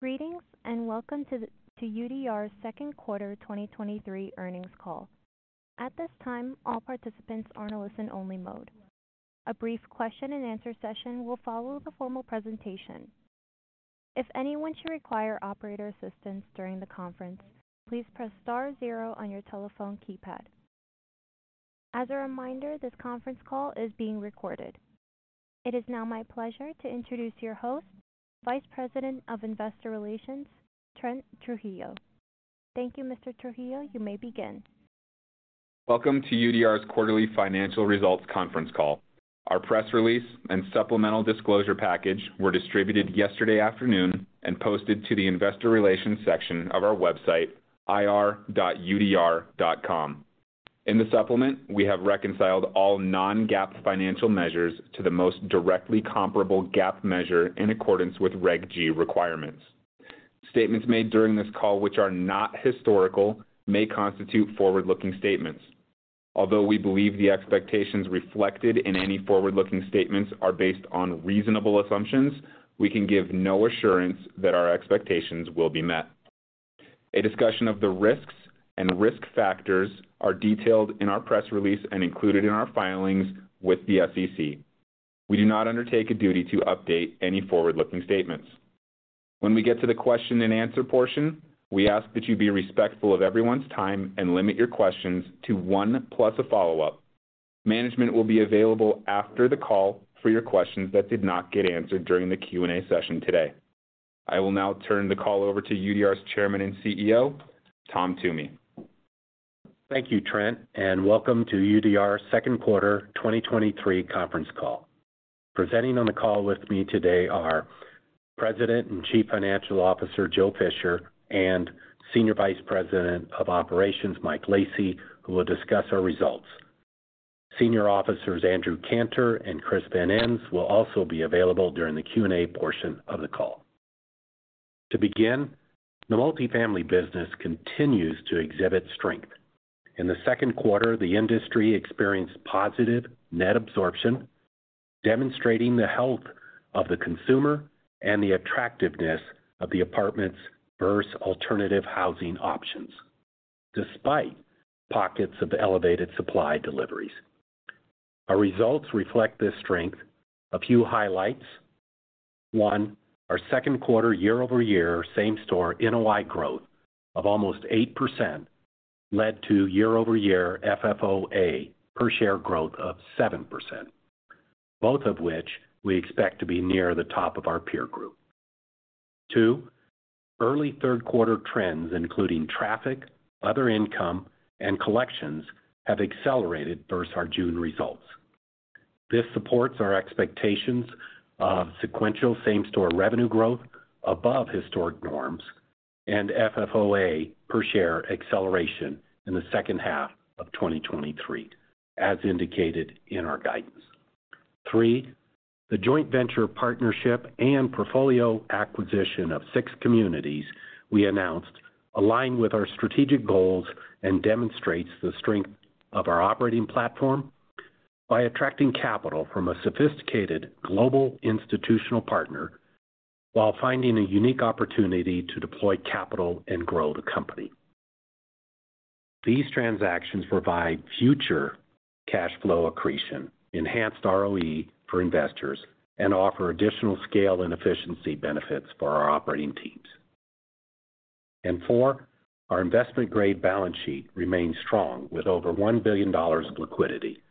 Greetings, welcome to UDR's Q2 2023 Earnings Call. At this time, all participants are in a listen-only mode. A brief Q&A session will follow the formal presentation. If anyone should require operator assistance during the conference, please press star zero on your telephone keypad. As a reminder, this conference call is being recorded. It is now my pleasure to introduce your host, Vice President of Investor Relations, Trent Trujillo. Thank you, Mr. Trujillo. You may begin. Welcome to UDR's Quarterly Financial Results Conference Call. Our press release and supplemental disclosure package were distributed yesterday afternoon and posted to the investor relations section of our website, ir.udr.com. In the supplement, we have reconciled all non-GAAP financial measures to the most directly comparable GAAP measure in accordance with Regulation G requirements. Statements made during this call, which are not historical, may constitute forward-looking statements. Although we believe the expectations reflected in any forward-looking statements are based on reasonable assumptions, we can give no assurance that our expectations will be met. A discussion of the risks and risk factors are detailed in our press release and included in our filings with the SEC. We do not undertake a duty to update any forward-looking statements. When we get to the Q&A portion, we ask that you be respectful of everyone's time and limit your questions to one, plus a follow-up. Management will be available after the call for your questions that did not get answered during the Q&A session today. I will now turn the call over to UDR's Chairman and CEO, Tom Toomey. Thank you, Trent, welcome to UDR's Q2 2023 Conference Call. Presenting on the call with me today are President and Chief Financial Officer, Joe Fisher, and Senior Vice President of Operations, Michael Lacy, who will discuss our results. Senior Officers, Andrew Cantor and Christopher Van Ens, will also be available during the Q&A portion of the call. To begin, the multifamily business continues to exhibit strength. In the Q2, the industry experienced positive net absorption, demonstrating the health of the consumer and the attractiveness of the apartments verse alternative housing options, despite pockets of elevated supply deliveries. Our results reflect this strength. A few highlights. One, our Q2 year-over-year same-store NOI growth of almost 8% led to year-over-year FFOA per share growth of 7%, both of which we expect to be near the top of our peer group. Two, early Q3 trends, including traffic, other income, and collections, have accelerated versus our June results. This supports our expectations of sequential same-store revenue growth above historic norms and FFOA per share acceleration in the H2 of 2023, as indicated in our guidance. Three, the joint venture partnership and portfolio acquisition of six communities we announced align with our strategic goals and demonstrates the strength of our operating platform by attracting capital from a sophisticated global institutional partner while finding a unique opportunity to deploy capital and grow the company. These transactions provide future cash flow accretion, enhanced ROE for investors, and offer additional scale and efficiency benefits for our operating teams. Four, our investment-grade balance sheet remains strong with over $1 billion of liquidity.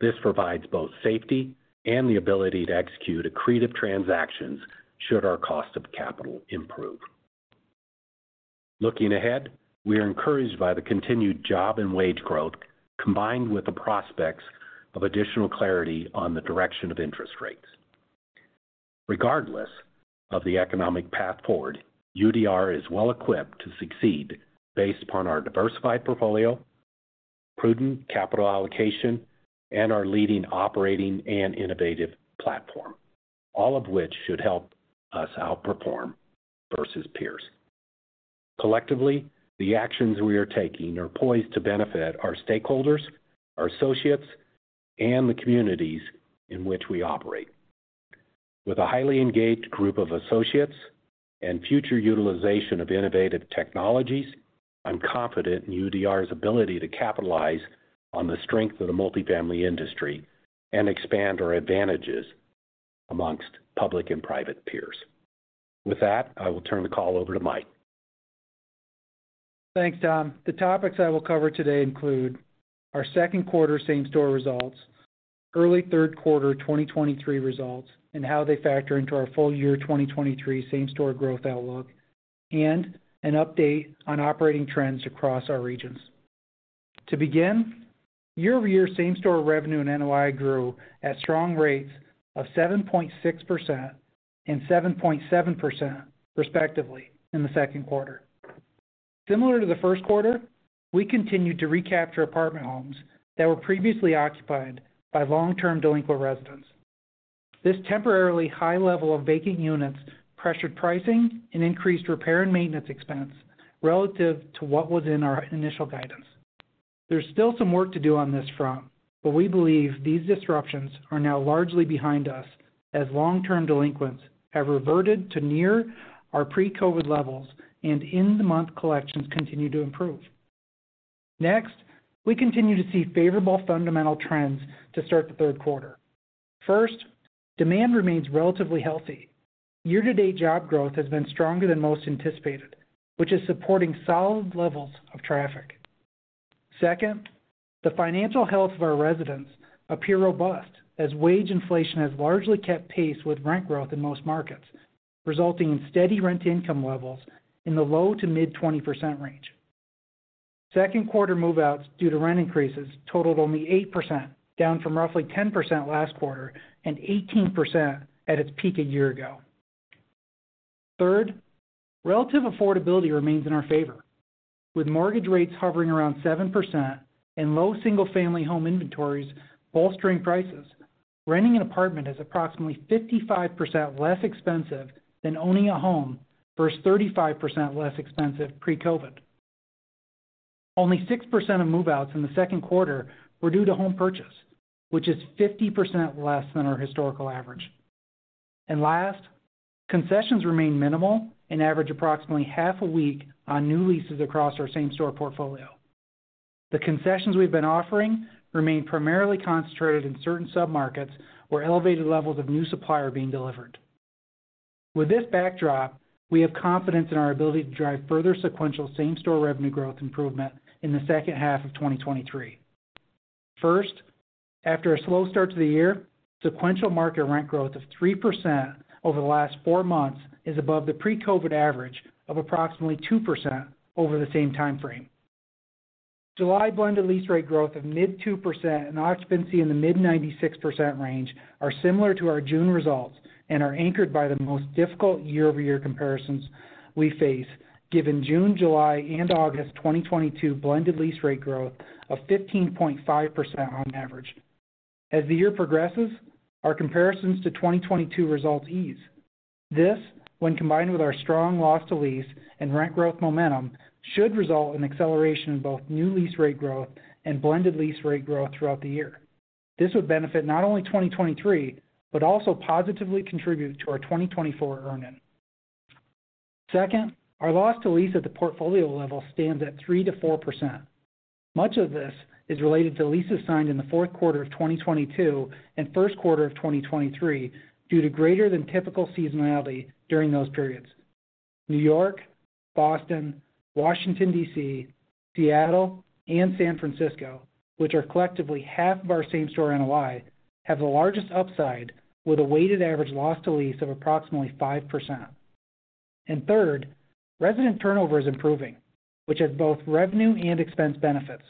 This provides both safety and the ability to execute accretive transactions should our cost of capital improve. Looking ahead, we are encouraged by the continued job and wage growth, combined with the prospects of additional clarity on the direction of interest rates. Regardless of the economic path forward, UDR is well equipped to succeed based upon our diversified portfolio, prudent capital allocation, and our leading operating and innovative platform, all of which should help us outperform versus peers. Collectively, the actions we are taking are poised to benefit our stakeholders, our associates, and the communities in which we operate. With a highly engaged group of associates and future utilization of innovative technologies, I'm confident in UDR's ability to capitalize on the strength of the multifamily industry and expand our advantages amongst public and private peers. With that, I will turn the call over to Mike. Thanks, Tom. The topics I will cover today include our Q2 same-store results, early Q3 2023 results, and how they factor into our full year 2023 same-store growth outlook, and an update on operating trends across our regions. To begin, year-over-year same-store revenue and NOI grew at strong rates of 7.6% and 7.7%, respectively, in the Q2. Similar to the Q1, we continued to recapture apartment homes that were previously occupied by long-term delinquent residents. This temporarily high level of vacant units pressured pricing and increased repair and maintenance expense relative to what was in our initial guidance. There's still some work to do on this front, but we believe these disruptions are now largely behind us, as long-term delinquents have reverted to near our pre-COVID levels, and in the month, collections continue to improve. We continue to see favorable fundamental trends to start the Q3. Demand remains relatively healthy. Year-to-date job growth has been stronger than most anticipated, which is supporting solid levels of traffic. The financial health of our residents appear robust, as wage inflation has largely kept pace with rent growth in most markets, resulting in steady rent income levels in the low to mid-20% range. Q2 move-outs due to rent increases totaled only 8%, down from roughly 10% last quarter and 18% at its peak a year ago. Relative affordability remains in our favor. With mortgage rates hovering around 7% and low single-family home inventories bolstering prices, renting an apartment is approximately 55% less expensive than owning a home, versus 35% less expensive pre-COVID. Only 6% of move-outs in the Q2 were due to home purchase, which is 50% less than our historical average. Last, concessions remain minimal and average approximately half a week on new leases across our same store portfolio. The concessions we've been offering remain primarily concentrated in certain submarkets, where elevated levels of new supply are being delivered. With this backdrop, we have confidence in our ability to drive further sequential same-store revenue growth improvement in the H2 of 2023. First, after a slow start to the year, sequential market rent growth of 3% over the last four months is above the pre-COVID average of approximately 2% over the same time frame. July blended lease rate growth of mid-2% and occupancy in the mid-96% range are similar to our June results and are anchored by the most difficult year-over-year comparisons we face, given June, July, and August 2022 blended lease rate growth of 15.5% on average. As the year progresses, our comparisons to 2022 results ease. This, when combined with our strong loss to lease and rent growth momentum, should result in acceleration in both new lease rate growth and blended lease rate growth throughout the year. This would benefit not only 2023, but also positively contribute to our 2024 earn-in. Second, our loss to lease at the portfolio level stands at 3%-4%. Much of this is related to leases signed in the Q4 of 2022 and Q1 of 2023, due to greater than typical seasonality during those periods. New York, Boston, Washington, DC, Seattle, and San Francisco, which are collectively half of our same-store NOI, have the largest upside, with a weighted average loss to lease of approximately 5%. Third, resident turnover is improving, which has both revenue and expense benefits.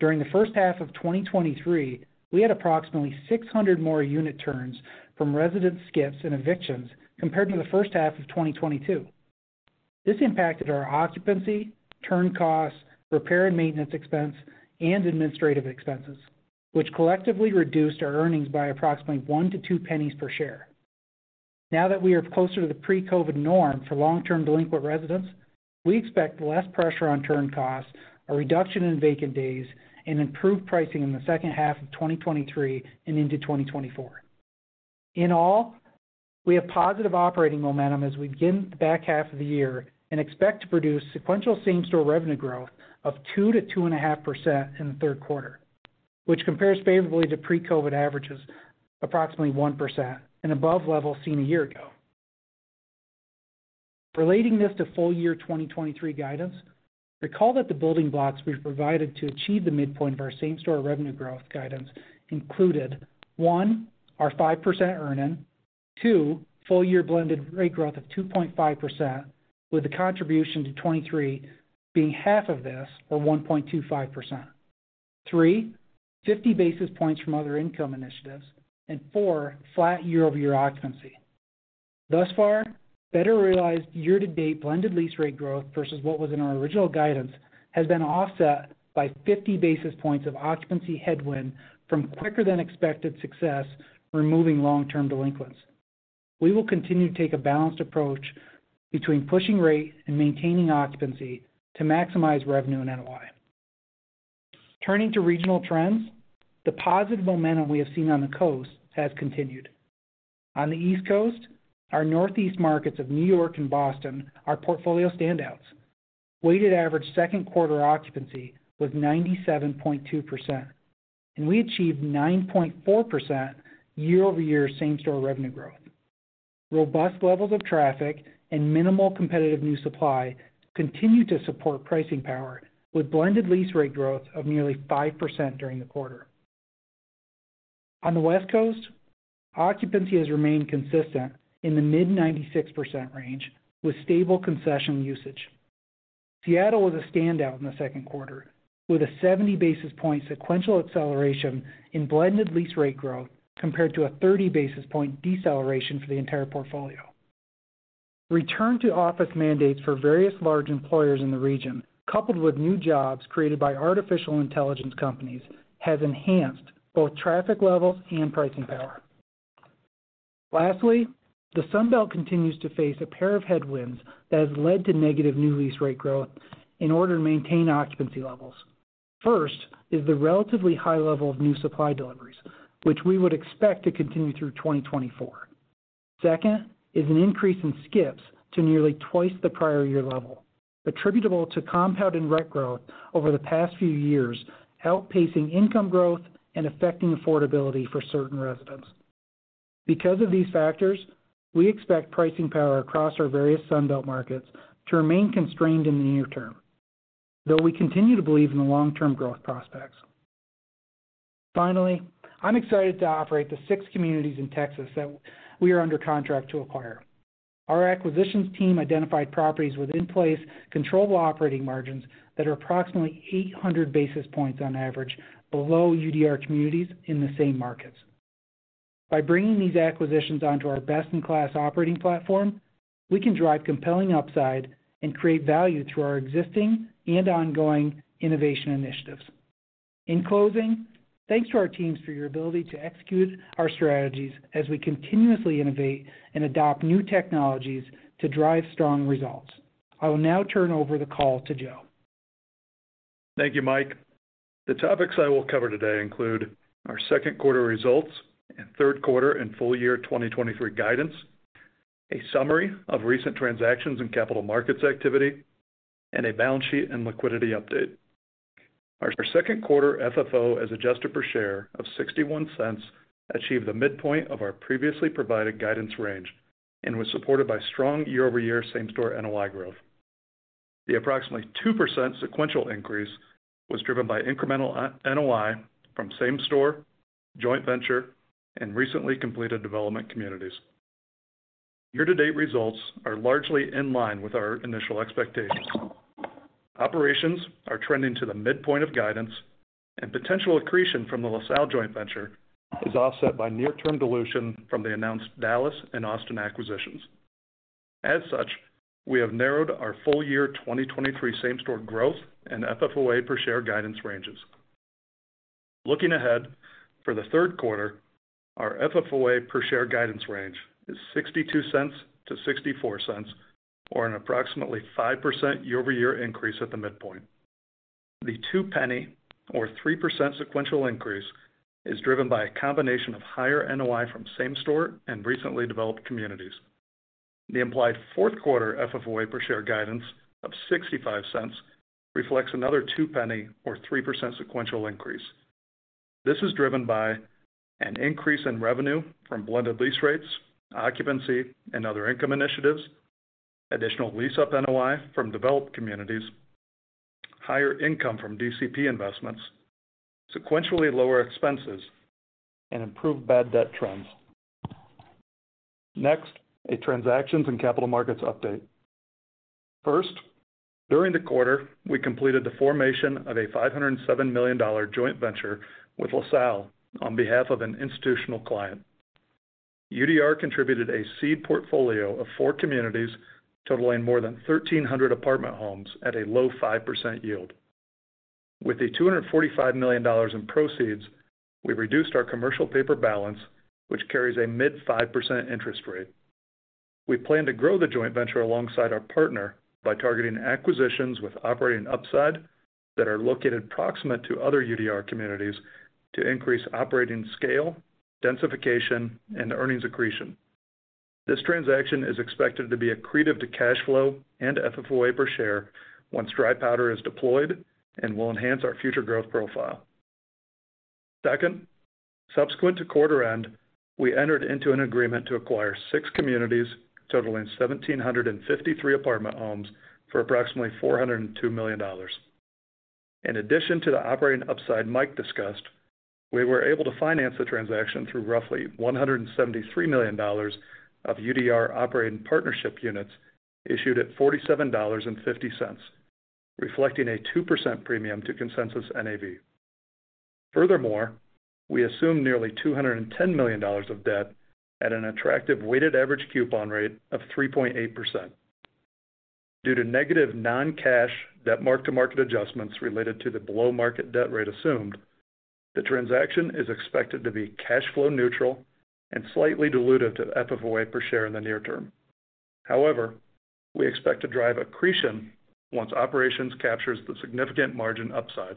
During the H1 of 2023, we had approximately 600 more unit turns from resident skips and evictions compared to the H1 of 2022. This impacted our occupancy, turn costs, repair and maintenance expense, and administrative expenses, which collectively reduced our earnings by approximately $0.01-$0.02 per share. Now that we are closer to the pre-COVID norm for long-term delinquent residents, we expect less pressure on turn costs, a reduction in vacant days, and improved pricing in the H2 of 2023 and into 2024. In all, we have positive operating momentum as we begin the back half of the year and expect to produce sequential same-store revenue growth of 2%-2.5% in the Q3, which compares favorably to pre-COVID averages, approximately 1% and above level seen a year ago. Relating this to full year 2023 guidance, recall that the building blocks we've provided to achieve the midpoint of our same-store revenue growth guidance included, one, our 5% earn-in. Two, full year blended rate growth of 2.5%, with a contribution to 2023 being half of this, or 1.25%. Three, 50 basis points from other income initiatives. Four, flat year-over-year occupancy. Thus far, better realized year-to-date blended lease rate growth versus what was in our original guidance, has been offset by 50 basis points of occupancy headwind from quicker than expected success removing long-term delinquents. We will continue to take a balanced approach between pushing rate and maintaining occupancy to maximize revenue and NOI. Turning to regional trends, the positive momentum we have seen on the coast has continued. On the East Coast, our Northeast markets of New York and Boston are portfolio standouts. Weighted average Q2 occupancy was 97.2%, and we achieved 9.4% year-over-year same-store revenue growth. Robust levels of traffic and minimal competitive new supply continue to support pricing power, with blended lease rate growth of nearly 5% during the quarter. On the West Coast, occupancy has remained consistent in the mid-96% range, with stable concession usage. Seattle was a standout in the Q2, with a 70 basis point sequential acceleration in blended lease rate growth, compared to a 30 basis point deceleration for the entire portfolio. Return to office mandates for various large employers in the region, coupled with new jobs created by artificial intelligence companies, has enhanced both traffic levels and pricing power. Lastly, the Sunbelt continues to face a pair of headwinds that has led to negative new lease rate growth in order to maintain occupancy levels. First, is the relatively high level of new supply deliveries, which we would expect to continue through 2024. Second. is an increase in skips to nearly twice the prior year level, attributable to compound and rent growth over the past few years, out pacing income growth and affecting affordability for certain residents. Because of these factors, we expect pricing power across our various Sun Belt markets to remain constrained in the near term, though we continue to believe in the long-term growth prospects. Finally, I'm excited to operate the six communities in Texas that we are under contract to acquire. Our acquisitions team identified properties within place controllable operating margins that are approximately 800 basis points on average below UDR communities in the same markets. By bringing these acquisitions onto our best-in-class operating platform, we can drive compelling upside and create value through our existing and ongoing innovation initiatives. In closing, thanks to our teams for your ability to execute our strategies as we continuously innovate and adopt new technologies to drive strong results. I will now turn over the call to Joe. Thank you, Mike. The topics I will cover today include our Q2 results and Q3 and full year 2023 guidance, a summary of recent transactions and capital markets activity, and a balance sheet and liquidity update. Our Q2 FFO, as adjusted per share of $0.61, achieved the midpoint of our previously provided guidance range and was supported by strong year-over-year same-store NOI growth. The approximately 2% sequential increase was driven by incremental NOI from same-store, joint venture, and recently completed development communities. Year-to-date results are largely in line with our initial expectations. Operations are trending to the midpoint of guidance and potential accretion from the LaSalle joint venture is offset by near-term dilution from the announced Dallas and Austin acquisitions. As such, we have narrowed our full year 2023 same-store growth and FFOA per share guidance ranges. Looking ahead, for the Q3, our FFOA per share guidance range is $0.62-$0.64, or an approximately 5% year-over-year increase at the midpoint. The 2 penny, or 3% sequential increase, is driven by a combination of higher NOI from same store and recently developed communities. The implied fourth quarter FFOA per share guidance of $0.65 reflects another 2 penny or 3% sequential increase. This is driven by an increase in revenue from blended lease rates, occupancy, and other income initiatives, additional lease-up NOI from developed communities, higher income from DCP investments, sequentially lower expenses, and improved bad debt trends. Next, a transactions and capital markets update. First, during the quarter, we completed the formation of a $507 million joint venture with LaSalle on behalf of an institutional client. UDR contributed a seed portfolio of four communities, totaling more than 1,300 apartment homes at a low 5% yield. With $245 million in proceeds, we've reduced our commercial paper balance, which carries a mid 5% interest rate. We plan to grow the joint venture alongside our partner by targeting acquisitions with operating upside that are located proximate to other UDR communities to increase operating scale, densification, and earnings accretion. This transaction is expected to be accretive to cash flow and FFOA per share once dry powder is deployed and will enhance our future growth profile. Second, subsequent to quarter end, we entered into an agreement to acquire 6 communities, totaling 1,753 apartment homes for approximately $402 million. In addition to the operating upside Mike discussed, we were able to finance the transaction through roughly $173 million of UDR operating partnership units issued at $47.50, reflecting a 2% premium to consensus NAV. Furthermore, we assumed nearly $210 million of debt at an attractive weighted average coupon rate of 3.8%. Due to negative non-cash debt mark-to-market adjustments related to the below-market debt rate assumed, the transaction is expected to be cash flow neutral and slightly dilutive to FFOA per share in the near term. However, we expect to drive accretion once operations captures the significant margin upside.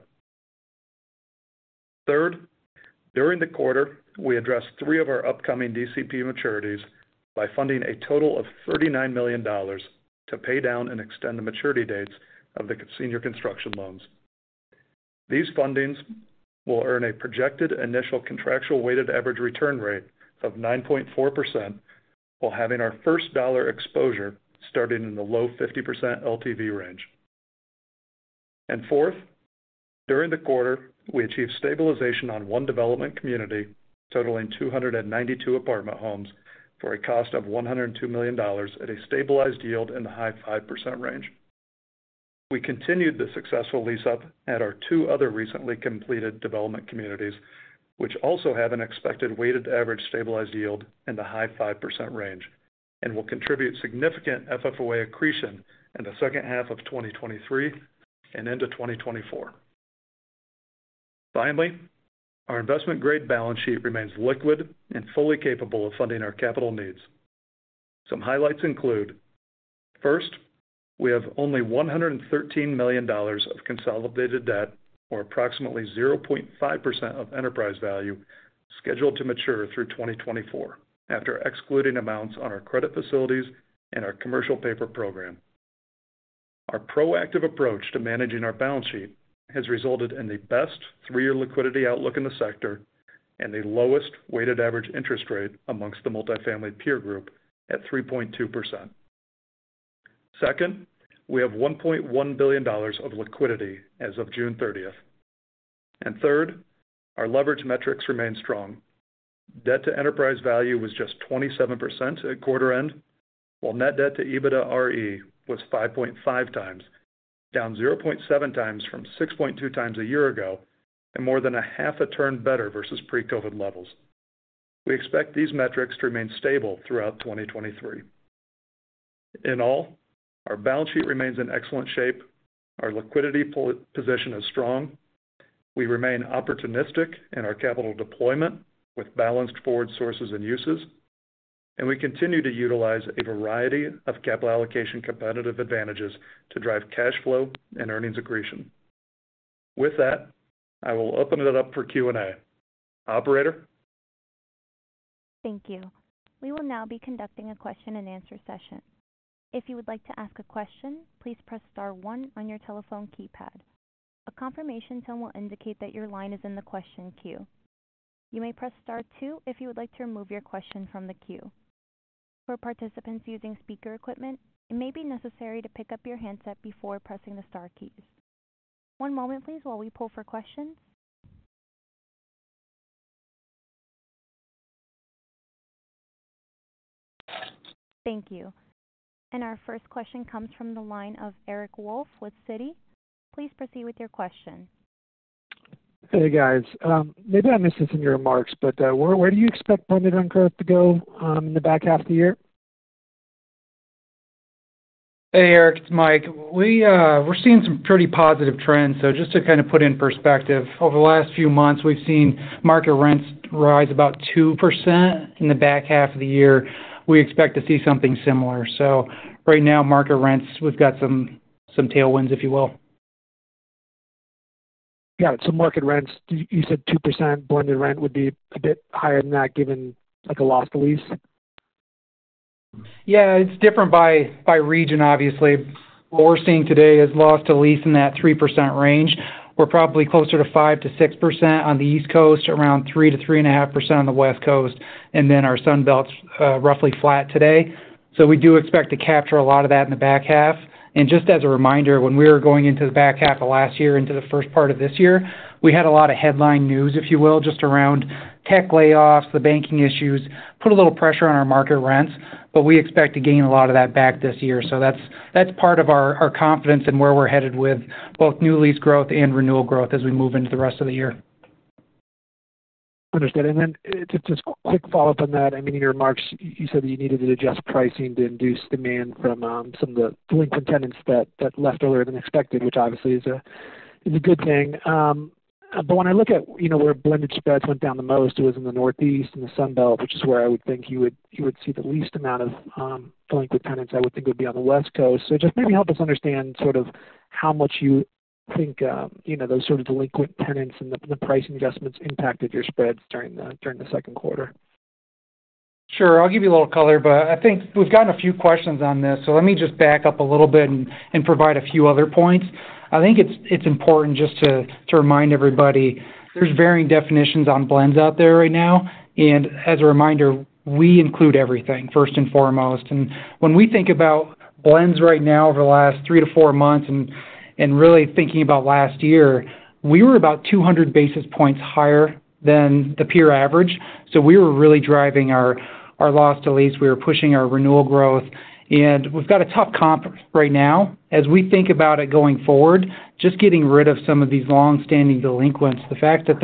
Third, during the quarter, we addressed three of our upcoming DCP maturities by funding a total of $39 million to pay down and extend the maturity dates of the senior construction loans. These fundings will earn a projected initial contractual weighted average return rate of 9.4%, while having our first dollar exposure starting in the low 50% LTV range. Fourth, during the quarter, we achieved stabilization on one development community, totaling 292 apartment homes for a cost of $102 million at a stabilized yield in the high 5% range. We continued the successful lease up at our two other recently completed development communities, which also have an expected weighted average stabilized yield in the high 5% range and will contribute significant FFOA accretion in the H2 of 2023 and into 2024. Finally, our investment grade balance sheet remains liquid and fully capable of funding our capital needs. Some highlights include, first, we have only $113 million of consolidated debt, or approximately 0.5% of enterprise value, scheduled to mature through 2024, after excluding amounts on our credit facilities and our commercial paper program. Our proactive approach to managing our balance sheet has resulted in the best three year liquidity outlook in the sector and the lowest weighted average interest rate amongst the multifamily peer group at 3.2%. Second, we have $1.1 billion of liquidity as of June 30th. Third, our leverage metrics remain strong. Debt to enterprise value was just 27% at quarter end, while net debt to EBITDA-RE was 5.5x, down 0.7x from 6.2x a year ago, and more than a half a turn better versus pre-COVID levels. We expect these metrics to remain stable throughout 2023. In all, our balance sheet remains in excellent shape. Our liquidity position is strong. We remain opportunistic in our capital deployment with balanced forward sources and uses, and we continue to utilize a variety of capital allocation competitive advantages to drive cash flow and earnings accretion. With that, I will open it up for Q&A. Operator? Thank you. We will now be conducting a Q&A session. If you would like to ask a question, please press star one on your telephone keypad. A confirmation tone will indicate that your line is in the question queue. You may press Star two if you would like to remove your question from the queue. For participants using speaker equipment, it may be necessary to pick up your handset before pressing the star keys. One moment please, while we pull for questions. Thank you. Our first question comes from the line of Eric Wolfe with Citi. Please proceed with your question. Hey, guys. maybe I missed this in your remarks, but where do you expect blended rent growth to go in the back half of the year? Hey, Eric, it's Mike. We're seeing some pretty positive trends. Just to kind of put in perspective, over the last few months, we've seen market rents rise about 2%. In the back half of the year, we expect to see something similar. Right now, market rents, we've got some, some tailwinds, if you will. Got it. Market rents, you said 2%. Blended rent would be a bit higher than that, given, like, a loss to lease? Yeah, it's different by region, obviously. What we're seeing today is loss to lease in that 3% range. We're probably closer to 5%-6% on the East Coast, around 3%-3.5% on the West Coast, and then our Sun Belt's roughly flat today. We do expect to capture a lot of that in the back half. Just as a reminder, when we were going into the back half of last year into the first part of this year, we had a lot of headline news, if you will, just around tech layoffs, the banking issues. Put a little pressure on our market rents, but we expect to gain a lot of that back this year. That's part of our confidence in where we're headed with both new lease growth and renewal growth as we move into the rest of the year. Understood. Just a quick follow-up on that. I mean, in your remarks, you said that you needed to adjust pricing to induce demand from some of the delinquent tenants that left earlier than expected, which obviously is a good thing. When I look at, you know, where blended spreads went down the most, it was in the Northeast and the Sun Belt, which is where I would think you would see the least amount of delinquent tenants. I would think it would be on the West Coast. Just maybe help us understand sort of how much you think, you know, those sort of delinquent tenants and the pricing adjustments impacted your spreads during the Q2? Sure, I'll give you a little color, but I think we've gotten a few questions on this, so let me just back up a little bit and provide a few other points. I think it's important just to remind everybody, there's varying definitions on blends out there right now, and as a reminder, we include everything, first and foremost. When we think about blends right now over the last three to four months and really thinking about last year, we were about 200 basis points higher than the peer average. We were really driving our loss to lease. We were pushing our renewal growth, and we've got a tough comp right now. As we think about it going forward, just getting rid of some of these long-standing delinquents, the fact that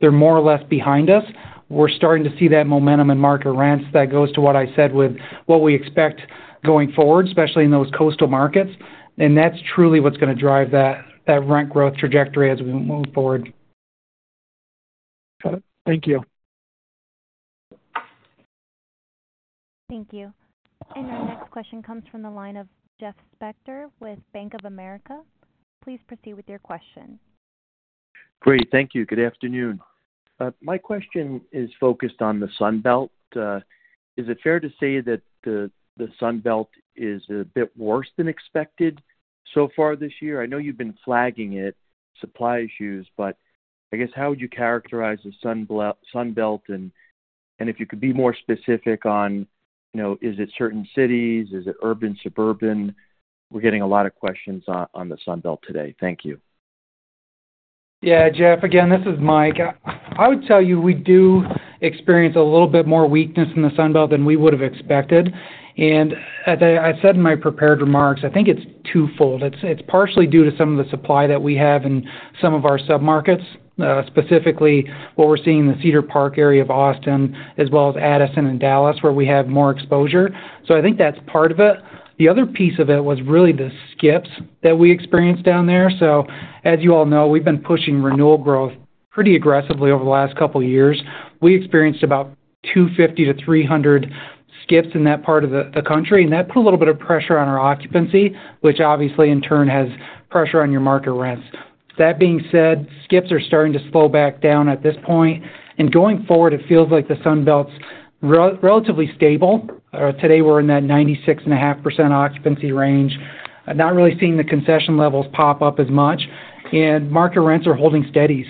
they're more or less behind us, we're starting to see that momentum in market rents. That goes to what I said with what we expect going forward, especially in those coastal markets. That's truly what's going to drive that rent growth trajectory as we move forward. Got it. Thank you. Thank you. Our next question comes from the line of Jeffrey Spector with Bank of America. Please proceed with your question. Great. Thank you. Good afternoon. My question is focused on the Sun Belt. Is it fair to say that the Sun Belt is a bit worse than expected so far this year? I know you've been flagging it, supply issues, but I guess, how would you characterize the Sun Belt? If you could be more specific on, you know, is it certain cities? Is it urban, suburban? We're getting a lot of questions on the Sun Belt today. Thank you. Yeah, Jeff, again, this is Mike. I would tell you we do experience a little bit more weakness in the Sun Belt than we would have expected, and as I said in my prepared remarks, I think it's twofold. It's partially due to some of the supply that we have in some of our submarkets, specifically what we're seeing in the Cedar Park area of Austin, as well as Addison and Dallas, where we have more exposure. I think that's part of it. The other piece of it was really the skips that we experienced down there. As you all know, we've been pushing renewal growth pretty aggressively over the last couple of years. We experienced about 250 to 300 skips in that part of the country, and that put a little bit of pressure on our occupancy, which obviously in turn, has pressure on your market rents. That being said, skips are starting to slow back down at this point, and going forward, it feels like the Sun Belt's relatively stable. Today we're in that 96.5% occupancy range, not really seeing the concession levels pop up as much, and market rents are holding steady.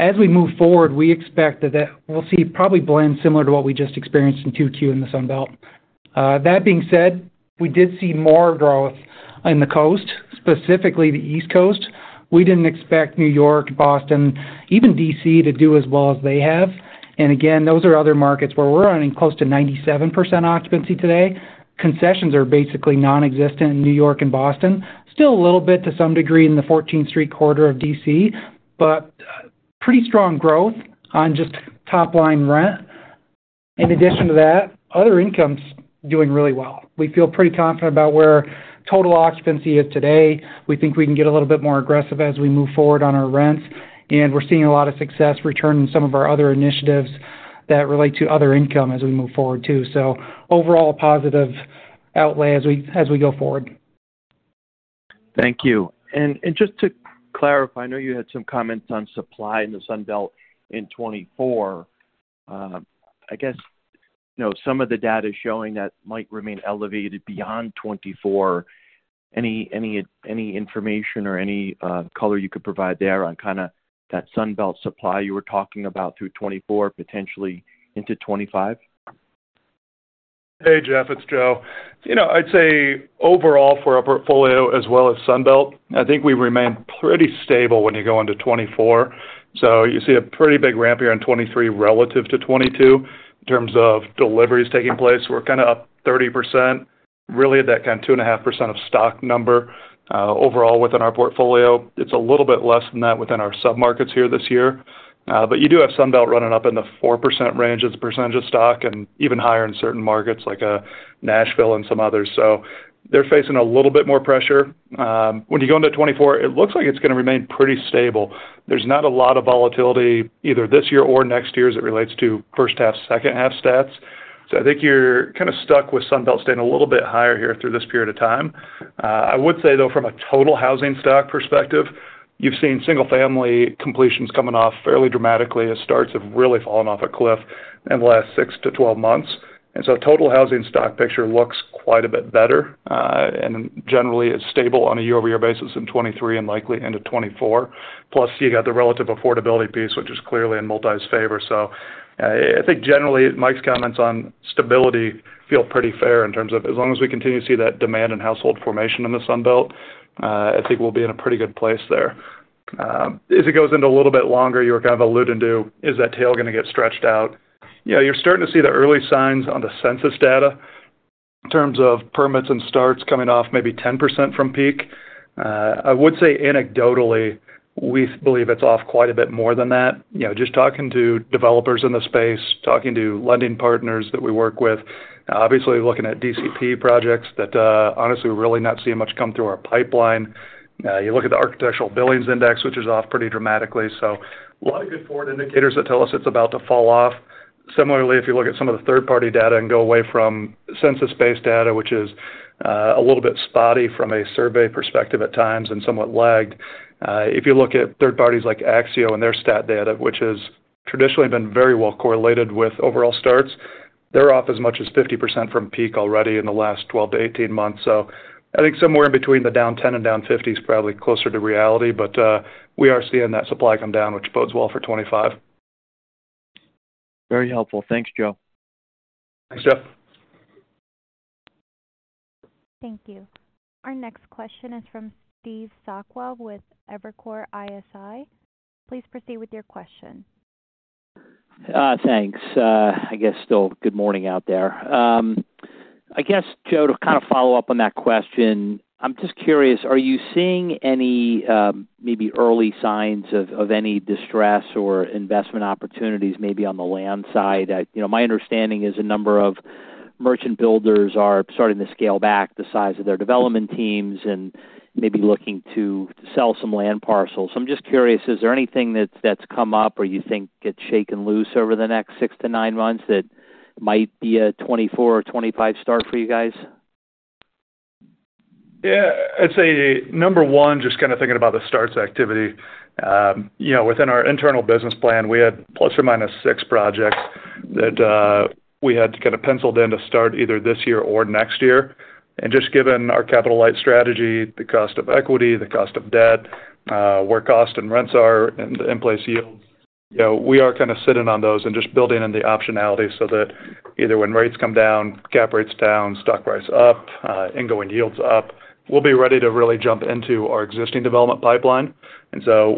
As we move forward, we expect that we'll see probably blend similar to what we just experienced in Q2 in the Sun Belt. That being said, we did see more growth on the coast, specifically the East Coast. We didn't expect New York, Boston, even D.C., to do as well as they have, and again, those are other markets where we're running close to 97% occupancy today. Concessions are basically nonexistent in New York and Boston. Still a little bit to some degree in the Fourteenth Street corridor of D.C., but pretty strong growth on just top line rent. In addition to that, other income's doing really well. We feel pretty confident about where total occupancy is today. We think we can get a little bit more aggressive as we move forward on our rents, and we're seeing a lot of success return in some of our other initiatives that relate to other income as we move forward, too. Overall, a positive outlay as we go forward. Thank you. Just to clarify, I know you had some comments on supply in the Sun Belt in 2024. I guess, you know, some of the data is showing that might remain elevated beyond 2024. Any information or any color you could provide there on kind of that Sun Belt supply you were talking about through 2024, potentially into 2025? Hey, Jeff, it's Joe. You know, I'd say overall, for our portfolio as well as Sun Belt, I think we remain pretty stable when you go into 2024. You see a pretty big ramp here in 2023 relative to 2022. In terms of deliveries taking place, we're kind of up 30%, really at that kind of 2.5% of stock number, overall, within our portfolio. It's a little bit less than that within our submarkets here this year. You do have Sun Belt running up in the 4% range as a percentage of stock and even higher in certain markets like Nashville and some others. They're facing a little bit more pressure. When you go into 2024, it looks like it's going to remain pretty stable. There's not a lot of volatility either this year or next year as it relates to H1, H2 stats. I think you're kind of stuck with Sun Belt staying a little bit higher here through this period of time. I would say, though, from a total housing stock perspective, you've seen single-family completions coming off fairly dramatically. The starts have really fallen off a cliff in the last 6-12 months. Total housing stock picture looks quite a bit better and generally is stable on a year-over-year basis in 2023 and likely into 2024. Plus, you got the relative affordability piece, which is clearly in multi's favor. I think generally, Mike's comments on stability feel pretty fair in terms of as long as we continue to see that demand and household formation in the Sun Belt, I think we'll be in a pretty good place there. As it goes into a little bit longer, you're kind of alluding to, is that tail going to get stretched out? You know, you're starting to see the early signs on the census data in terms of permits and starts coming off maybe 10% from peak. I would say anecdotally, we believe it's off quite a bit more than that. You know, just talking to developers in the space, talking to lending partners that we work with, obviously looking at DCP projects that, honestly, we're really not seeing much come through our pipeline. You look at the Architectural Billings Index, which is off pretty dramatically. A lot of good forward indicators that tell us it's about to fall off. Similarly, if you look at some of the third-party data and go away from census-based data, which is a little bit spotty from a survey perspective at times and somewhat lagged. If you look at third parties like Axiometrics and their stat data, which has traditionally been very well correlated with overall starts, they're off as much as 50% from peak already in the last 12-18 months. I think somewhere in between the down 10 and down 50 is probably closer to reality. We are seeing that supply come down, which bodes well for 2025. Very helpful. Thanks, Joe. Thanks, Jeff. Thank you. Our next question is from Steve Sakwa with Evercore ISI. Please proceed with your question. Thanks. I guess still good morning out there. I guess, Joe, to kind of follow up on that question, I'm just curious, are you seeing any, maybe early signs of any distress or investment opportunities, maybe on the land side? You know, my understanding is a number of merchant builders are starting to scale back the size of their development teams and maybe looking to sell some land parcels. I'm just curious, is there anything that's come up or you think gets shaken loose over the next six to nine-months that might be a 2024 or 2025 start for you guys? Yeah, I'd say, number one, just kind of thinking about the starts activity. You know, within our internal business plan, we had ±6 projects that we had kind of penciled in to start either this year or next year. Just given our capital light strategy, the cost of equity, the cost of debt, where cost and rents are and the in-place yields, you know, we are kind of sitting on those and just building in the optionality so that either when rates come down, cap rates down, stock price up, ongoing yields up, we'll be ready to really jump into our existing development pipeline.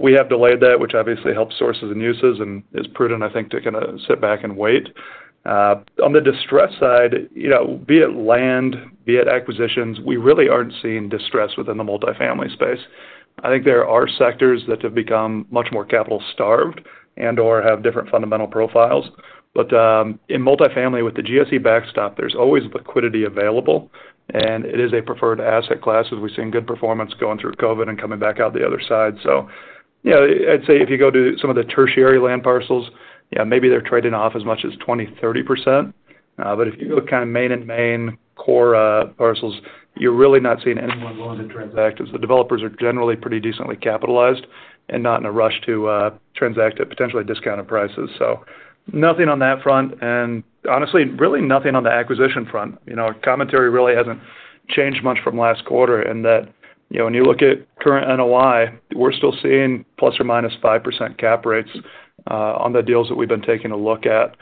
We have delayed that, which obviously helps sources and uses, and is prudent, I think, to kind of sit back and wait. On the distress side, you know, be it land, be it acquisitions, we really aren't seeing distress within the multifamily space. I think there are sectors that have become much more capital-starved and or have different fundamental profiles. In multifamily, with the GSE backstop, there's always liquidity available, and it is a preferred asset class, as we've seen good performance going through COVID and coming back out the other side. You know, I'd say if you go to some of the tertiary land parcels, yeah, maybe they're trading off as much as 20%, 30%. If you look kind of main and main core parcels, you're really not seeing anyone willing to transact, as the developers are generally pretty decently capitalized and not in a rush to transact at potentially discounted prices. Nothing on that front, and honestly, really nothing on the acquisition front. You know, our commentary really hasn't changed much from last quarter in that, you know, when you look at current NOI, we're still seeing ±5% cap rates on the deals that we've been taking a look at.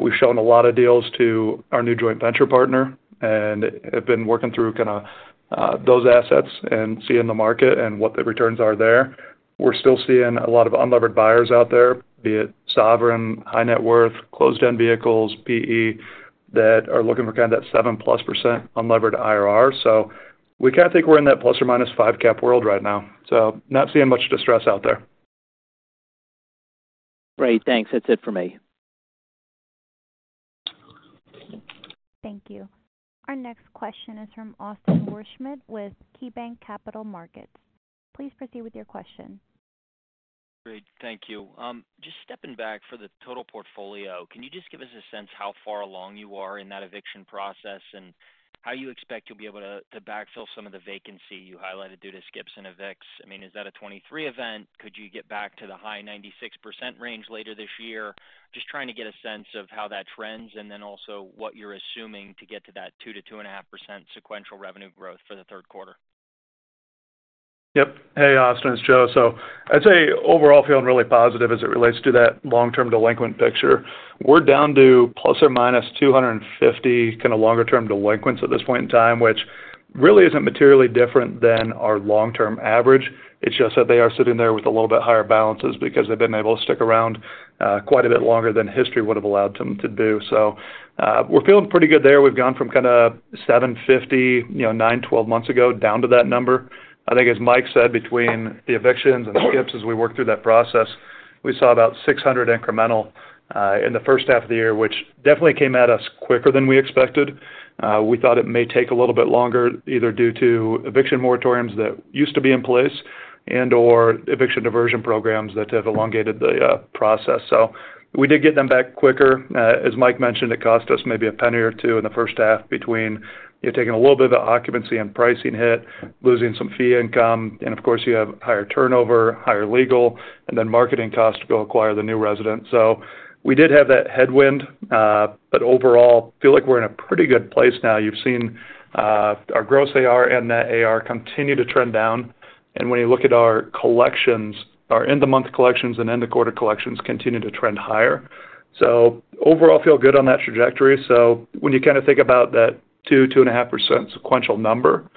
We've shown a lot of deals to our new joint venture partner and have been working through kind of those assets and seeing the market and what the returns are there. We're still seeing a lot of unlevered buyers out there, be it sovereign, high net worth, closed-end vehicles, PE, that are looking for kind of that 7%+ unlevered IRR. We kind of think we're in that ±5 cap world right now, not seeing much distress out there. Great, thanks. That's it for me. Thank you. Our next question is from Austin Wurschmidt with KeyBanc Capital Markets. Please proceed with your question. Great, thank you. Just stepping back for the total portfolio, can you just give us a sense how far along you are in that eviction process and how you expect to be able to backfill some of the vacancy you highlighted due to skips and evicts? I mean, is that a 2023 event? Could you get back to the high 96% range later this year? Just trying to get a sense of how that trends, and then also what you're assuming to get to that 2% to 2.5% sequential revenue growth for the Q3. Yep. Hey, Austin Wurschmidt, it's Joe Fisher. I'd say overall, feeling really positive as it relates to that long-term delinquent picture. We're down to ±250, kind of longer-term delinquents at this point in time, which really isn't materially different than our long-term average. It's just that they are sitting there with a little bit higher balances because they've been able to stick around quite a bit longer than history would have allowed them to do. We're feeling pretty good there. We've gone from kind of 750, you know, nine, 12-months ago down to that number. I think as Michael Lacy said, between the evictions and the skips, as we worked through that process, we saw about 600 incremental in the H1 of the year, which definitely came at us quicker than we expected. We thought it may take a little bit longer, either due to eviction moratoriums that used to be in place and/or eviction diversion programs that have elongated the process. We did get them back quicker. As Mike Lacy mentioned, it cost us maybe $0.01 or $0.02 in the H1 between, you're taking a little bit of the occupancy and pricing hit, losing some fee income, and of course, you have higher turnover, higher legal, and then marketing costs to go acquire the new resident. We did have that headwind, overall, feel like we're in a pretty good place now. You've seen our gross AR and that AR continue to trend down. When you look at our collections, our end-of-month collections and end-of-quarter collections continue to trend higher. Overall, feel good on that trajectory. When you kind of think about that 2, 2.5% sequential number,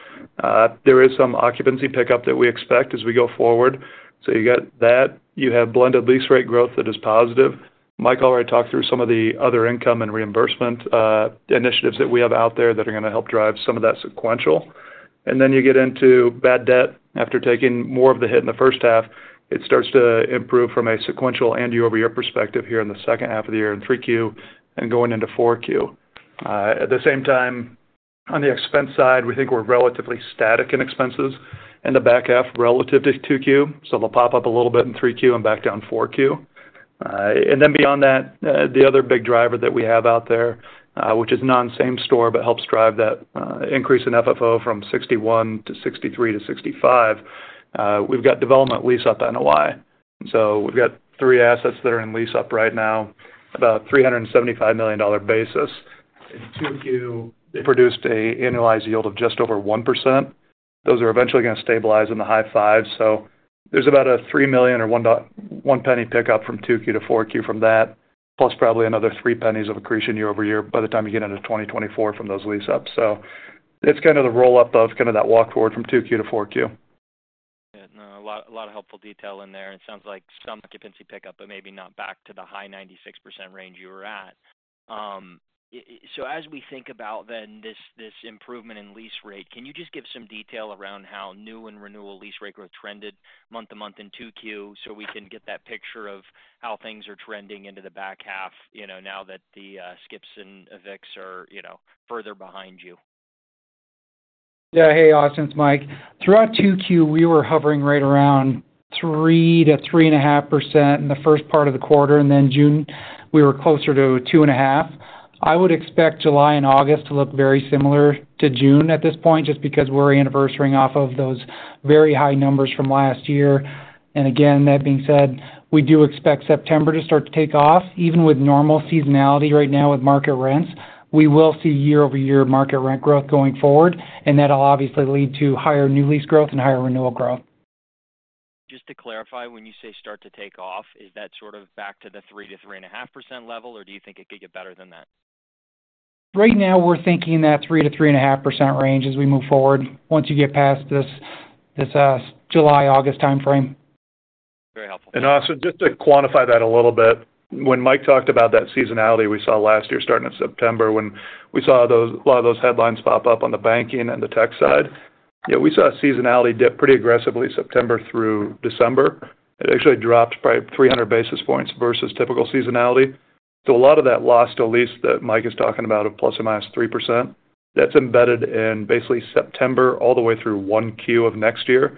there is some occupancy pickup that we expect as we go forward. You got that. You have blended lease rate growth that is positive. Mike already talked through some of the other income and reimbursement, initiatives that we have out there that are going to help drive some of that sequential. Then you get into bad debt. After taking more of the hit in the H1, it starts to improve from a sequential and year-over-year perspective here in the H2 of the year in Q3 and going into Q4. At the same time, on the expense side, we think we're relatively static in expenses in the back half relative to Q2, it'll pop up a little bit in Q3 and back down Q4. Beyond that, the other big driver that we have out there, which is non-same store, but helps drive that increase in FFO from 61 to 63 to 65. We've got development lease up NOI. We've got three assets that are in lease up right now, about $375 million basis. In Q2, it produced an annualized yield of just over 1%. Those are eventually going to stabilize in the high fives. There's about a $3 million or $0.01 pickup from Q2 to Q4 from that, plus probably another $0.03 of accretion year over year by the time you get into 2024 from those lease ups. It's kind of the roll-up of kind of that walk forward from Q2 to Q4. Yeah, a lot, a lot of helpful detail in there. It sounds like some occupancy pickup, but maybe not back to the high 96% range you were at. As we think about then this, this improvement in lease rate, can you just give some detail around how new and renewal lease rate growth trended month-to-month in Q2, so we can get that picture of how things are trending into the back half, you know, now that the skips and evicts are, you know, further behind you? Hey, Austin, it's Mike. Throughout Q2, we were hovering right around 3%-3.5% in the first part of the quarter. Then June, we were closer to 2.5%. I would expect July and August to look very similar to June at this point, just because we're anniversarying off of those very high numbers from last year. Again, that being said, we do expect September to start to take off. Even with normal seasonality right now with market rents, we will see year-over-year market rent growth going forward. That will obviously lead to higher new lease growth and higher renewal growth. Just to clarify, when you say start to take off, is that sort of back to the 3%-3.5% level, or do you think it could get better than that? Right now, we're thinking that 3% to 3.5% range as we move forward, once you get past this July-August timeframe. Very helpful. Also just to quantify that a little bit, when Mike talked about that seasonality we saw last year, starting in September, when we saw a lot of those headlines pop up on the banking and the tech side. Yeah, we saw a seasonality dip pretty aggressively September through December. It actually dropped by 300 basis points versus typical seasonality. A lot of that loss to lease that Mike is talking about, of plus or minus 3%, that's embedded in basically September all the way through Q1 of next year.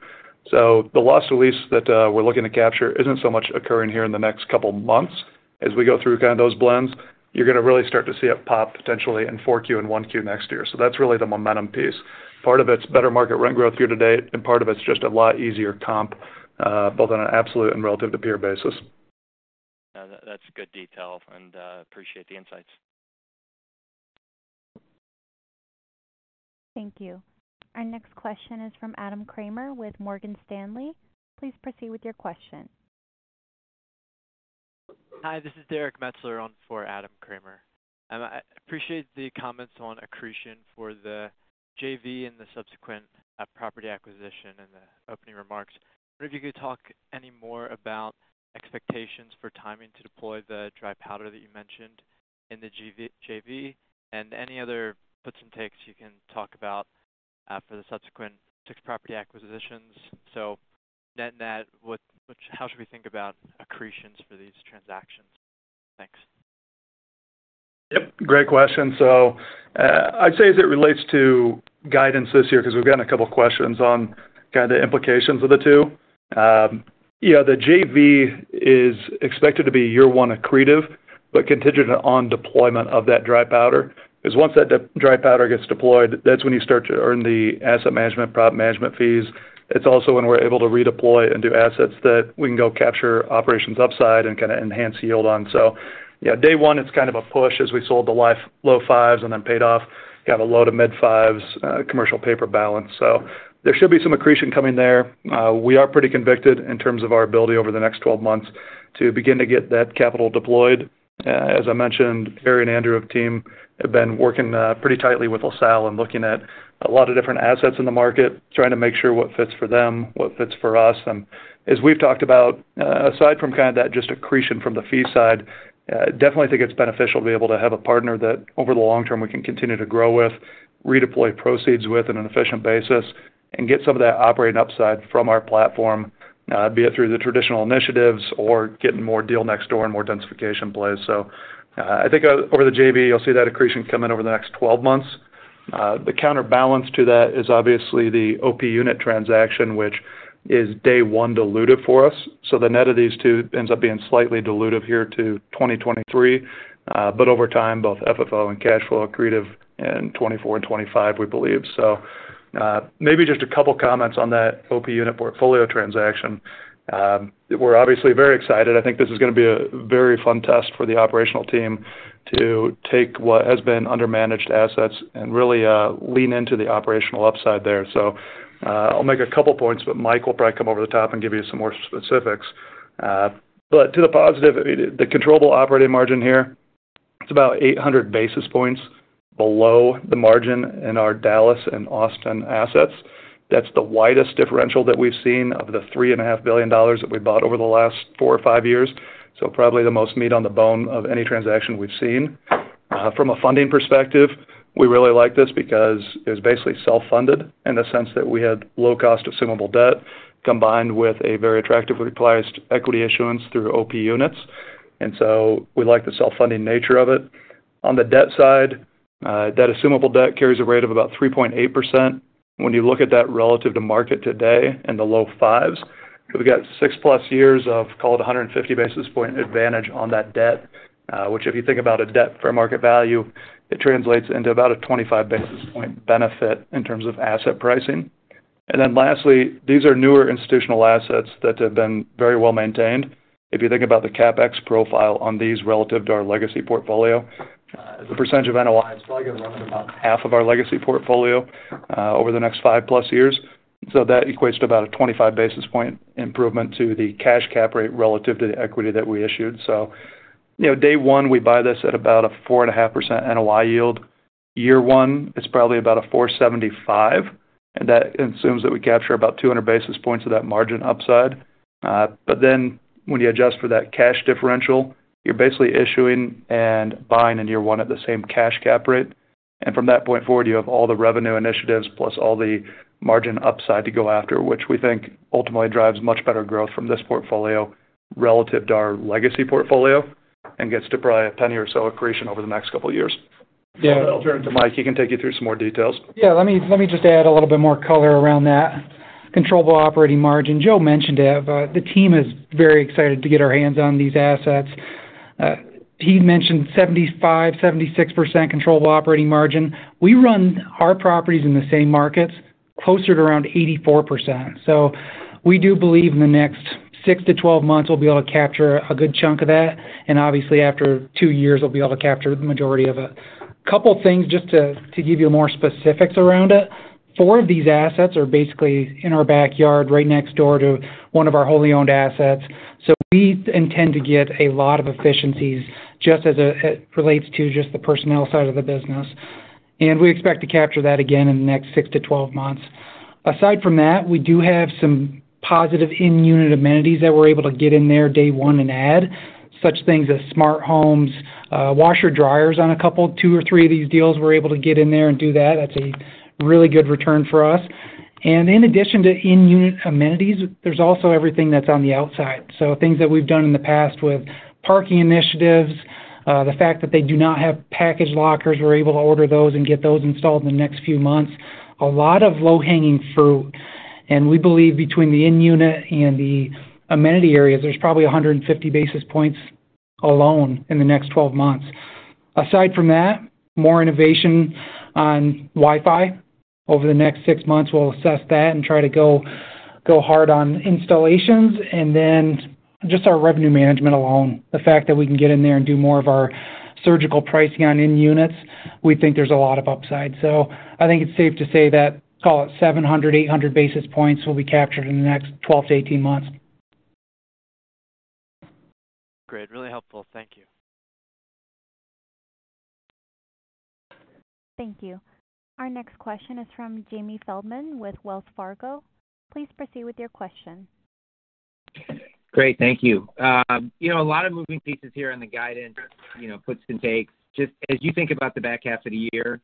The loss to lease that we're looking to capture isn't so much occurring here in the next couple of months. As we go through kind of those blends, you're going to really start to see it pop potentially in Q4 and Q1 next year. That's really the momentum piece. Part of it's better market rent growth year to date, part of it's just a lot easier comp, both on an absolute and relative to peer basis. That's good detail, and, appreciate the insights. Thank you. Our next question is from Adam Kramer with Morgan Stanley. Please proceed with your question. Hi, this is Derrick Metzler on for Adam Kramer. I appreciate the comments on accretion for the JV and the subsequent property acquisition and the opening remarks. I wonder if you could talk any more about expectations for timing to deploy the dry powder that you mentioned in the JV, and any other puts and takes you can talk about, for the subsequent six property acquisitions. Net-net, how should we think about accretions for these transactions? Thanks. Yep, great question. I'd say as it relates to guidance this year, because we've gotten a couple of questions on kind of the implications of the two. Yes, the JV is expected to be year one accretive, but contingent on deployment of that dry powder. Once that dry powder gets deployed, that's when you start to earn the asset management, prop management fees. It's also when we're able to redeploy into assets that we can go capture operations upside and kind of enhance yield on. Yes, day one, it's kind of a push as we sold the life low fives and then paid off, got a low to mid fives commercial paper balance. There should be some accretion coming there. We are pretty convicted in terms of our ability over the next 12 months to begin to get that capital deployed. As I mentioned, Barry and Andrew of team have been working pretty tightly with LaSalle and looking at a lot of different assets in the market, trying to make sure what fits for them, what fits for us. As we've talked about, aside from kind of that just accretion from the fee side, definitely think it's beneficial to be able to have a partner that over the long term, we can continue to grow with, redeploy proceeds with in an efficient basis, and get some of that operating upside from our platform, be it through the traditional initiatives or getting more deal next door and more densification plays. I think over the JV, you'll see that accretion coming over the next 12 months. The counterbalance to that is obviously the OP unit transaction, which is day one dilutive for us. The net of these two ends up being slightly dilutive here to 2023, but over time, both FFO and cash flow accretive in 2024 and 2025, we believe. Maybe just a couple of comments on that OP unit portfolio transaction. We're obviously very excited. I think this is going to be a very fun test for the operational team to take what has been under managed assets and really lean into the operational upside there. I'll make a couple of points, but Mike will probably come over the top and give you some more specifics. But to the positive, the controllable operating margin here, it's about 800 basis points below the margin in our Dallas and Austin assets. That's the widest differential that we've seen of the $3.5 billion that we bought over the last four or five years, probably the most meat on the bone of any transaction we've seen. From a funding perspective, we really like this because it was basically self-funded in the sense that we had low-cost assumable debt, combined with a very attractively priced equity issuance through OP units. We like the self-funding nature of it. On the debt side, that assumable debt carries a rate of about 3.8%. When you look at that relative to market today in the low fives, we've got 6+ years of, call it, 150 basis point advantage on that debt, which if you think about a debt for a market value, it translates into about a 25 basis point benefit in terms of asset pricing. Lastly, these are newer institutional assets that have been very well maintained. If you think about the CapEx profile on these relative to our legacy portfolio, as a percentage of NOI, it's probably going to run at about half of our legacy portfolio over the next 5+ years. That equates to about a 25 basis point improvement to the cash cap rate relative to the equity that we issued. You know, day one, we buy this at about a 4.5% NOI yield. Year one, it's probably about a $4.75, That assumes that we capture about 200 basis points of that margin upside. When you adjust for that cash differential, you're basically issuing and buying in year one at the same cash cap rate. From that point forward, you have all the revenue initiatives plus all the margin upside to go after, which we think ultimately drives much better growth from this portfolio relative to our legacy portfolio and gets to probably a $0.01 or so accretion over the next couple of years. Yeah, I'll turn it to Mike. He can take you through some more details. Yeah, let me just add a little bit more color around that. Controllable operating margin, Joe mentioned it, the team is very excited to get our hands on these assets. He mentioned 75%-76% controllable operating margin. We run our properties in the same markets closer to around 84%. We do believe in the next six to 12-months, we'll be able to capture a good chunk of that, and obviously, after two years, we'll be able to capture the majority of it. A couple of things just to give you more specifics around it. 4 of these assets are basically in our backyard, right next door to one of our wholly owned assets, so we intend to get a lot of efficiencies just as it relates to just the personnel side of the business.... We expect to capture that again in the next 6-12 months. Aside from that, we do have some positive in-unit amenities that we're able to get in there day one and add, such things as smart homes, washer dryers on a couple. 2 or 3 of these deals we're able to get in there and do that. That's a really good return for us. In addition to in-unit amenities, there's also everything that's on the outside. Things that we've done in the past with parking initiatives, the fact that they do not have package lockers, we're able to order those and get those installed in the next few months. A lot of low-hanging fruit, and we believe between the in-unit and the amenity areas, there's probably 150 basis points alone in the next 12 months. Aside from that, more innovation on Wi-Fi. Over the next six months, we'll assess that and try to go hard on installations, just our revenue management alone. The fact that we can get in there and do more of our surgical pricing on in-units, we think there's a lot of upside. I think it's safe to say that, call it 700, 800 basis points will be captured in the next 12 to 18 months. Great, really helpful. Thank you. Thank you. Our next question is from Jamie Feldman with Wells Fargo. Please proceed with your question. Great, thank you. You know, a lot of moving pieces here on the guidance, you know, puts and takes. Just as you think about the back half of the year,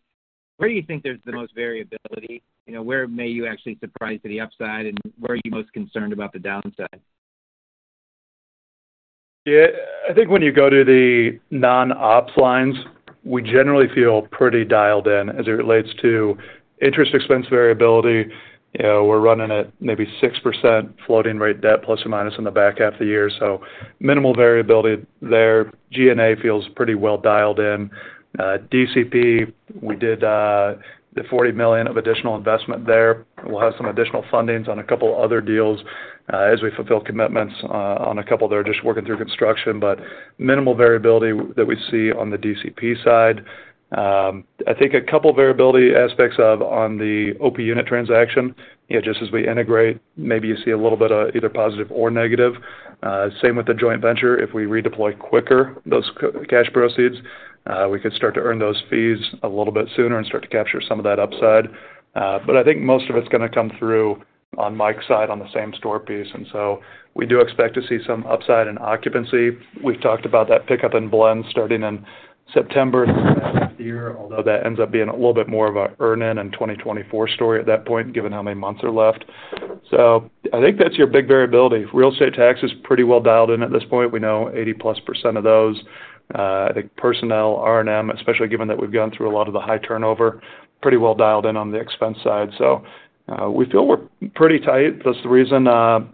where do you think there's the most variability? You know, where may you actually surprise to the upside, and where are you most concerned about the downside? Yeah, I think when you go to the non-ops lines, we generally feel pretty dialed in as it relates to interest expense variability. You know, we're running at maybe 6% floating rate debt, plus or minus in the back half of the year, so minimal variability there. G&A feels pretty well dialed in. DCP, we did the $40 million of additional investment there. We'll have some additional fundings on a couple other deals, as we fulfill commitments, on a couple that are just working through construction, but minimal variability that we see on the DCP side. I think a couple variability aspects of on the OP unit transaction, you know, just as we integrate, maybe you see a little bit of either positive or negative. Same with the joint venture. If we redeploy quicker, those cash proceeds, we could start to earn those fees a little bit sooner and start to capture some of that upside. I think most of it's going to come through on Mike's side, on the same store piece. We do expect to see some upside in occupancy. We've talked about that pickup in blend starting in September this year, although that ends up being a little bit more of a earn-in in 2024 story at that point, given how many months are left. I think that's your big variability. Real estate tax is pretty well dialed in at this point. We know 80%+ of those. I think personnel, R&M, especially given that we've gone through a lot of the high turnover, pretty well dialed in on the expense side. We feel we're pretty tight. That's the reason,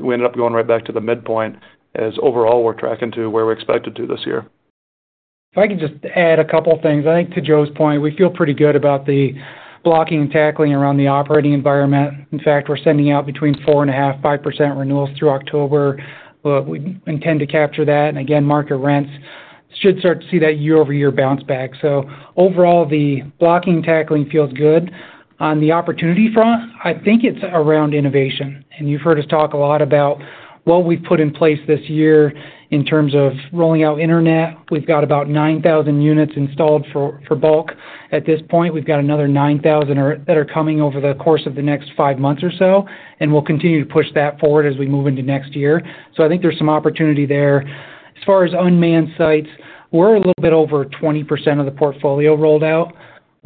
we ended up going right back to the midpoint, as overall, we're tracking to where we expected to this year. If I could just add a couple of things. I think to Joe's point, we feel pretty good about the blocking and tackling around the operating environment. In fact, we're sending out between 4.5%-5% renewals through October. We intend to capture that, and again, market rents should start to see that year-over-year bounce back. Overall, the blocking and tackling feels good. On the opportunity front, I think it's around innovation, and you've heard us talk a lot about what we've put in place this year in terms of rolling out internet. We've got about 9,000 units installed for bulk. At this point, we've got another 9,000 that are coming over the course of the next 5 months or so, and we'll continue to push that forward as we move into next year. I think there's some opportunity there. As far as unmanned sites, we're a little bit over 20% of the portfolio rolled out.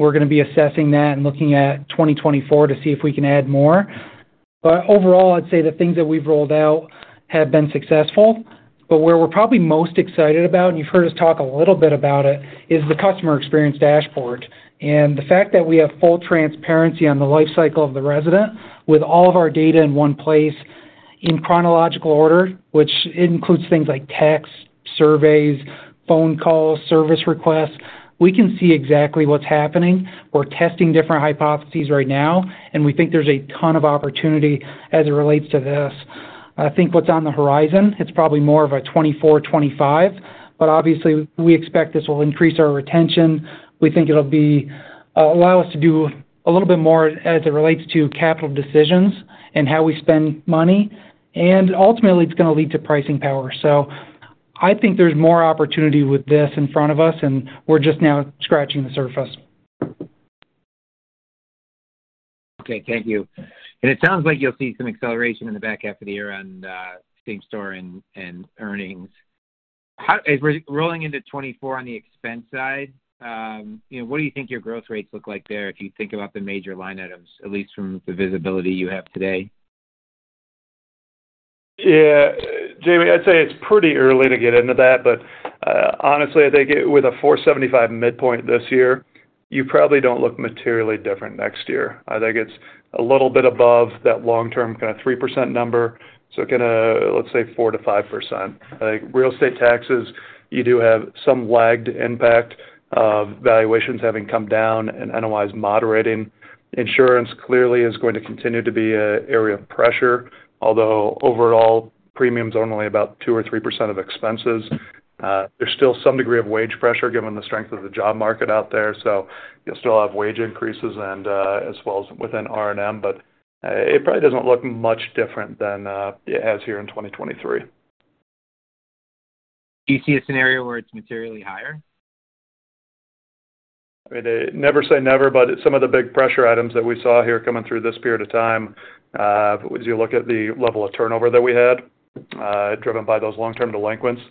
We're going to be assessing that and looking at 2024 to see if we can add more. Overall, I'd say the things that we've rolled out have been successful. Where we're probably most excited about, and you've heard us talk a little bit about it, is the customer experience dashboard. The fact that we have full transparency on the life cycle of the resident, with all of our data in one place, in chronological order, which includes things like texts, surveys, phone calls, service requests, we can see exactly what's happening. We're testing different hypotheses right now, and we think there's a ton of opportunity as it relates to this. I think what's on the horizon, it's probably more of a 2024, 2025. Obviously, we expect this will increase our retention. We think it'll allow us to do a little bit more as it relates to capital decisions and how we spend money. Ultimately, it's going to lead to pricing power. I think there's more opportunity with this in front of us. We're just now scratching the surface. Okay, thank you. It sounds like you'll see some acceleration in the back half of the year on same-store and earnings. As we're rolling into 2024 on the expense side, you know, what do you think your growth rates look like there, if you think about the major line items, at least from the visibility you have today? Yeah, Jamie, I'd say it's pretty early to get into that, but honestly, I think with a $4.75 midpoint this year, you probably don't look materially different next year. I think it's a little bit above that long-term kind of 3% number, so kind of, let's say, 4%-5%. I think real estate taxes, you do have some lagged impact of valuations having come down and NOI moderating. Insurance, clearly, is going to continue to be an area of pressure, although overall, premiums are only about 2% or 3% of expenses. There's still some degree of wage pressure given the strength of the job market out there, so you'll still have wage increases and as well as within R&M, but it probably doesn't look much different than it has here in 2023. Do you see a scenario where it's materially higher? I mean, never say never, some of the big pressure items that we saw here coming through this period of time, as you look at the level of turnover that we had, driven by those long-term delinquents,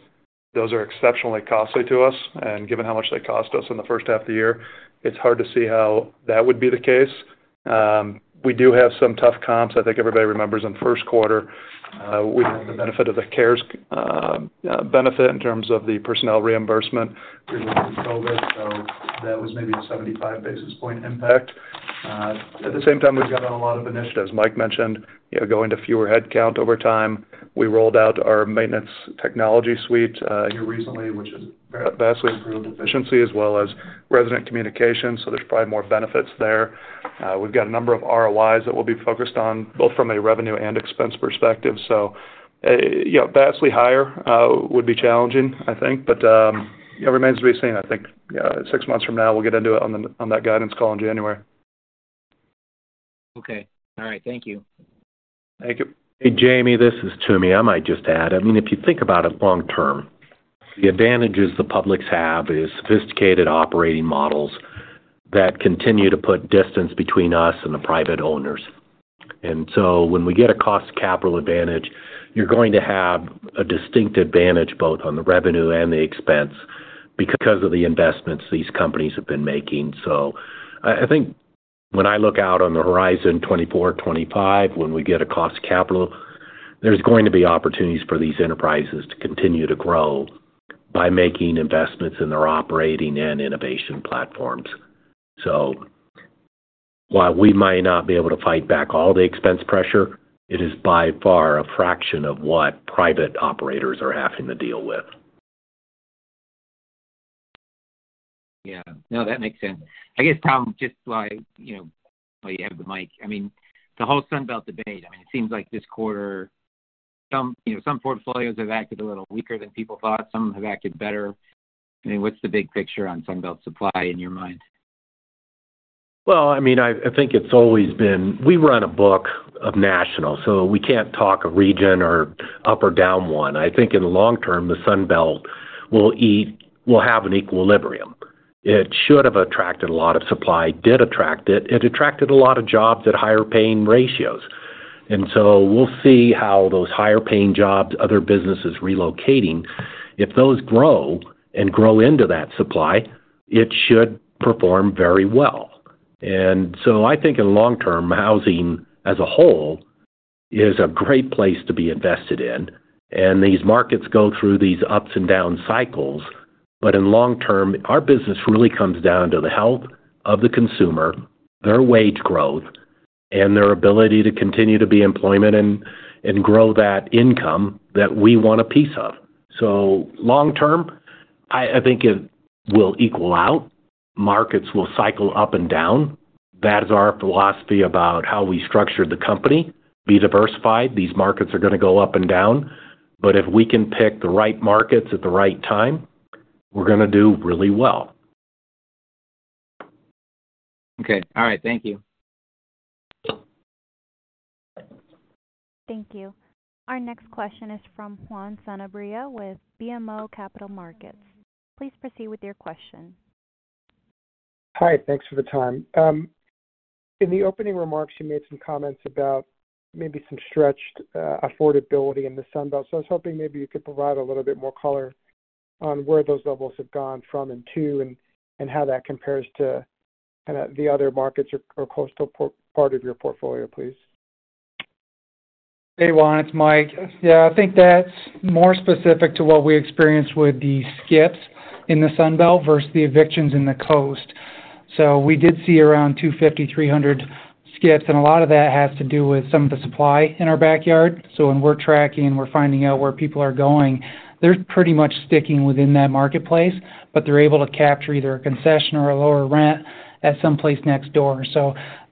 those are exceptionally costly to us, and given how much they cost us in the H1 of the year, it's hard to see how that would be the case. We do have some tough comps. I think everybody remembers in the Q1, we had the benefit of the CARES benefit in terms of the personnel reimbursement related to COVID, so that was maybe a 75 basis point impact. At the same time, we've got a lot of initiatives. Mike mentioned, you know, going to fewer headcount over time. We rolled out our maintenance technology suite here recently, which has vastly improved efficiency as well as resident communication. There's probably more benefits there. We've got a number of ROIs that we'll be focused on, both from a revenue and expense perspective. You know, vastly higher would be challenging, I think. It remains to be seen. I think six months from now, we'll get into it on that guidance call in January. Okay. All right. Thank you. Thank you. Hey, Jamie, this is Toomey. I might just add, I mean, if you think about it long term, the advantages the publics have is sophisticated operating models that continue to put distance between us and the private owners. When we get a cost capital advantage, you're going to have a distinct advantage both on the revenue and the expense, because of the investments these companies have been making. I, I think when I look out on the horizon, 2024, 2025, when we get a cost capital, there's going to be opportunities for these enterprises to continue to grow by making investments in their operating and innovation platforms. While we might not be able to fight back all the expense pressure, it is by far a fraction of what private operators are having to deal with. Yeah. No, that makes sense. I guess, Tom, just while, you know, while you have the mic, I mean, the whole Sun Belt debate, I mean, it seems like this quarter some, you know, some portfolios have acted a little weaker than people thought, some have acted better. I mean, what's the big picture on Sun Belt supply in your mind? Well, I mean, I think it's always been. We run a book of national, so we can't talk a region or up or down one. I think in the long term, the Sun Belt will have an equilibrium. It should have attracted a lot of supply, did attract it. It attracted a lot of jobs at higher paying ratios. We'll see how those higher paying jobs, other businesses relocating, if those grow and grow into that supply, it should perform very well. I think in long term, housing as a whole is a great place to be invested in, and these markets go through these ups and down cycles. In long term, our business really comes down to the health of the consumer, their wage growth, and their ability to continue to be employment and grow that income that we want a piece of. Long term, I think it will equal out. Markets will cycle up and down. That is our philosophy about how we structure the company. Be diversified. These markets are going to go up and down, but if we can pick the right markets at the right time, we're gonna do really well. Okay. All right, thank you. Thank you. Our next question is from Juan Sanabria with BMO Capital Markets. Please proceed with your question. Hi, thanks for the time. In the opening remarks, you made some comments about maybe some stretched affordability in the Sun Belt. I was hoping maybe you could provide a little bit more color on where those levels have gone from and to, and, and how that compares to kind of the other markets or coastal part of your portfolio, please. Hey, Juan, it's Mike. Yeah, I think that's more specific to what we experienced with the skips in the Sun Belt versus the evictions in the coast. We did see around 250-300 skips, and a lot of that has to do with some of the supply in our backyard. When we're tracking, we're finding out where people are going. They're pretty much sticking within that marketplace, but they're able to capture either a concession or a lower rent at some place next door.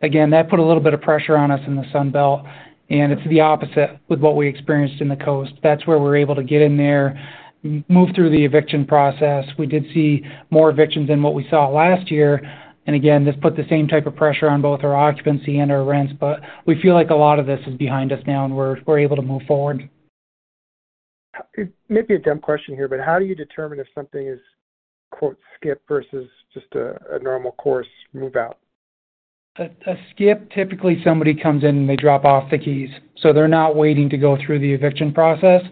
Again, that put a little bit of pressure on us in the Sun Belt, and it's the opposite with what we experienced in the coast. That's where we're able to get in there, move through the eviction process. We did see more evictions than what we saw last year. Again, this put the same type of pressure on both our occupancy and our rents. We feel like a lot of this is behind us now and we're able to move forward. It may be a dumb question here, but how do you determine if something is, quote, "skip" versus just a normal course move out? A skip, typically somebody comes in and they drop off the keys. They're not waiting to go through the eviction process.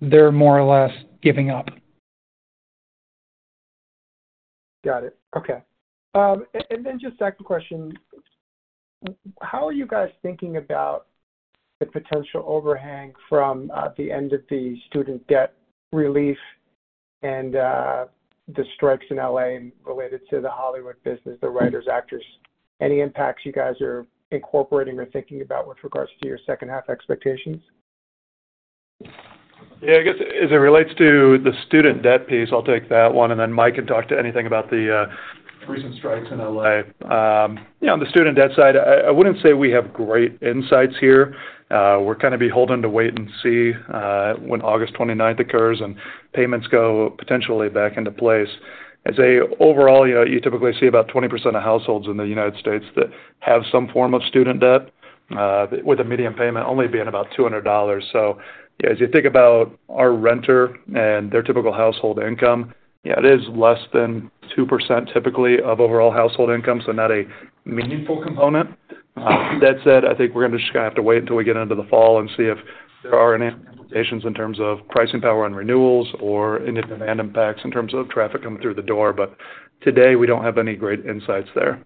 They're more or less giving up. Got it. Okay. Then just second question. How are you guys thinking about the potential overhang from the end of the student debt relief and the strikes in LA. related to the Hollywood business, the writers, actors? Any impacts you guys are incorporating or thinking about with regards to your H2 expectations? Yeah, I guess as it relates to the student debt piece, I'll take that one, and then Mike can talk to anything about the recent strikes in LA. You know, on the student debt side, I, I wouldn't say we have great insights here. We're kind of beholden to wait and see when August 29th occurs and payments go potentially back into place. I'd say overall, you know, you typically see about 20% of households in the U.S. that have some form of student debt.... with the median payment only being about $200. As you think about our renter and their typical household income, yeah, it is less than 2% typically of overall household income, so not a meaningful component. That said, I think we're going to just have to wait until we get into the fall and see if there are any implications in terms of pricing power on renewals or any demand impacts in terms of traffic coming through the door. Today, we don't have any great insights there.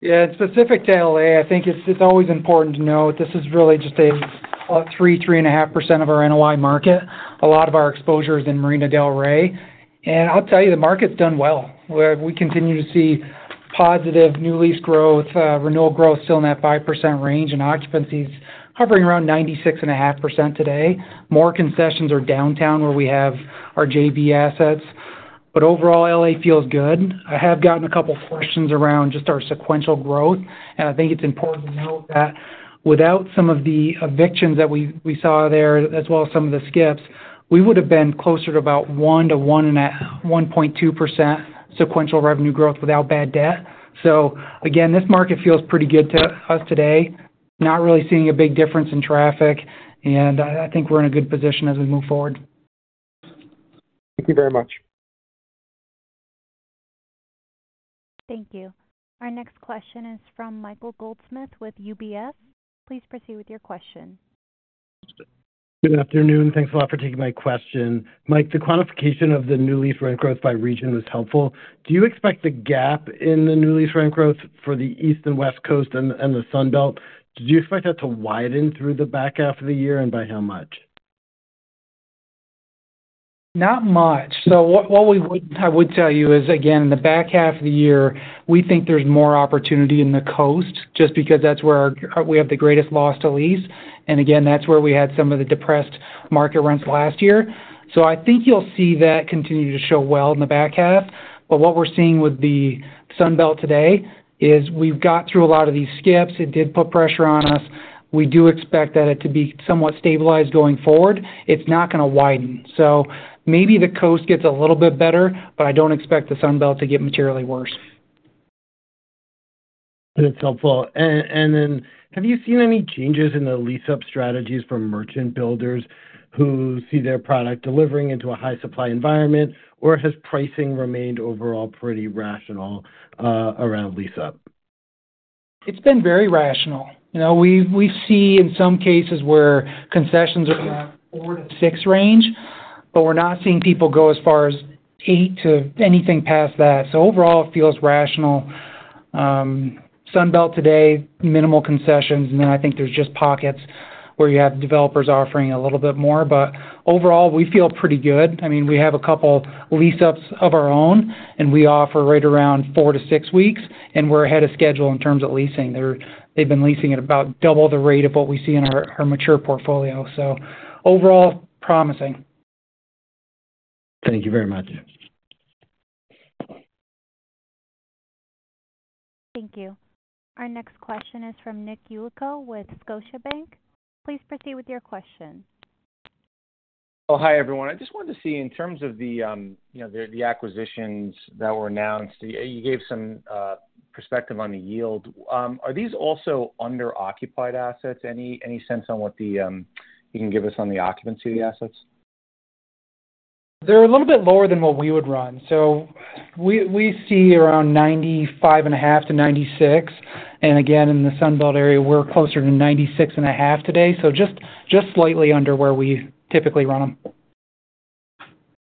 Yeah, specific to L.A., I think it's always important to note this is really just about 3-3.5% of our NOI market. A lot of our exposure is in Marina del Rey. I'll tell you, the market's done well, where we continue to see positive new lease growth, renewal growth still in that 5% range, and occupancy is hovering around 96.5% today. More concessions are downtown, where we have our JV assets, but overall, L.A. feels good. I have gotten a couple questions around just our sequential growth, and I think it's important to note that without some of the evictions that we saw there, as well as some of the skips, we would have been closer to about 1%-1.2% sequential revenue growth without bad debt. Again, this market feels pretty good to us today. Not really seeing a big difference in traffic, and I think we're in a good position as we move forward. Thank you very much. Thank you. Our next question is from Michael Goldsmith with UBS. Please proceed with your question. Good afternoon. Thanks a lot for taking my question. Mike, the quantification of the new lease rent growth by region was helpful. Do you expect the gap in the new lease rent growth for the East and West Coast and the Sun Belt, do you expect that to widen through the back half of the year, and by how much? Not much. What I would tell you is, again, in the back half of the year, we think there's more opportunity in the Coasts just because that's where we have the greatest loss to lease. Again, that's where we had some of the depressed market rents last year. I think you'll see that continue to show well in the back half. What we're seeing with the Sun Belt today is we've got through a lot of these skips. It did put pressure on us. We do expect that it to be somewhat stabilized going forward. It's not going to widen. Maybe the Coasts gets a little bit better, but I don't expect the Sun Belt to get materially worse. That's helpful. Then have you seen any changes in the lease-up strategies from merchant builders who see their product delivering into a high supply environment, or has pricing remained overall pretty rational around lease-up? It's been very rational. You know, we've, we see in some cases where concessions are around 4-6 range, but we're not seeing people go as far as 8 to anything past that. Overall, it feels rational. Sun Belt today, minimal concessions, I think there's just pockets where you have developers offering a little bit more. Overall, we feel pretty good. I mean, we have a couple lease-ups of our own, and we offer right around 4-6 weeks, and we're ahead of schedule in terms of leasing. They've been leasing at about double the rate of what we see in our, our mature portfolio. Overall, promising. Thank you very much. Thank you. Our next question is from Nick Yulico with Scotiabank. Please proceed with your question. Oh, hi, everyone. I just wanted to see in terms of the, you know, the acquisitions that were announced, you gave some perspective on the yield. Are these also under occupied assets? Any sense on what the, you can give us on the occupancy of the assets? They're a little bit lower than what we would run. We see around 95.5 to 96. Again, in the Sun Belt area, we're closer to 96.5 today, just slightly under where we typically run them.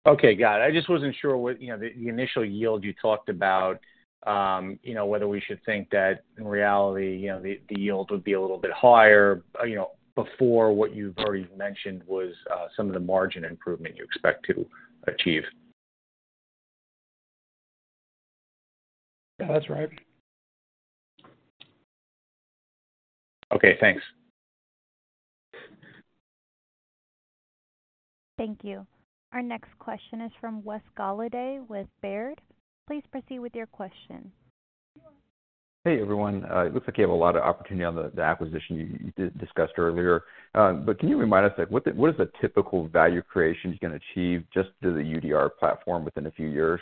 Okay, got it. I just wasn't sure what, you know, the initial yield you talked about, you know, whether we should think that in reality, you know, the, the yield would be a little bit higher, you know, before what you've already mentioned was, some of the margin improvement you expect to achieve. That's right. Okay, thanks. Thank you. Our next question is from Wesley Golladay with Baird. Please proceed with your question. Hey, everyone. It looks like you have a lot of opportunity on the acquisition you did discussed earlier. Can you remind us, like, what is the typical value creation you're going to achieve just through the UDR platform within a few years?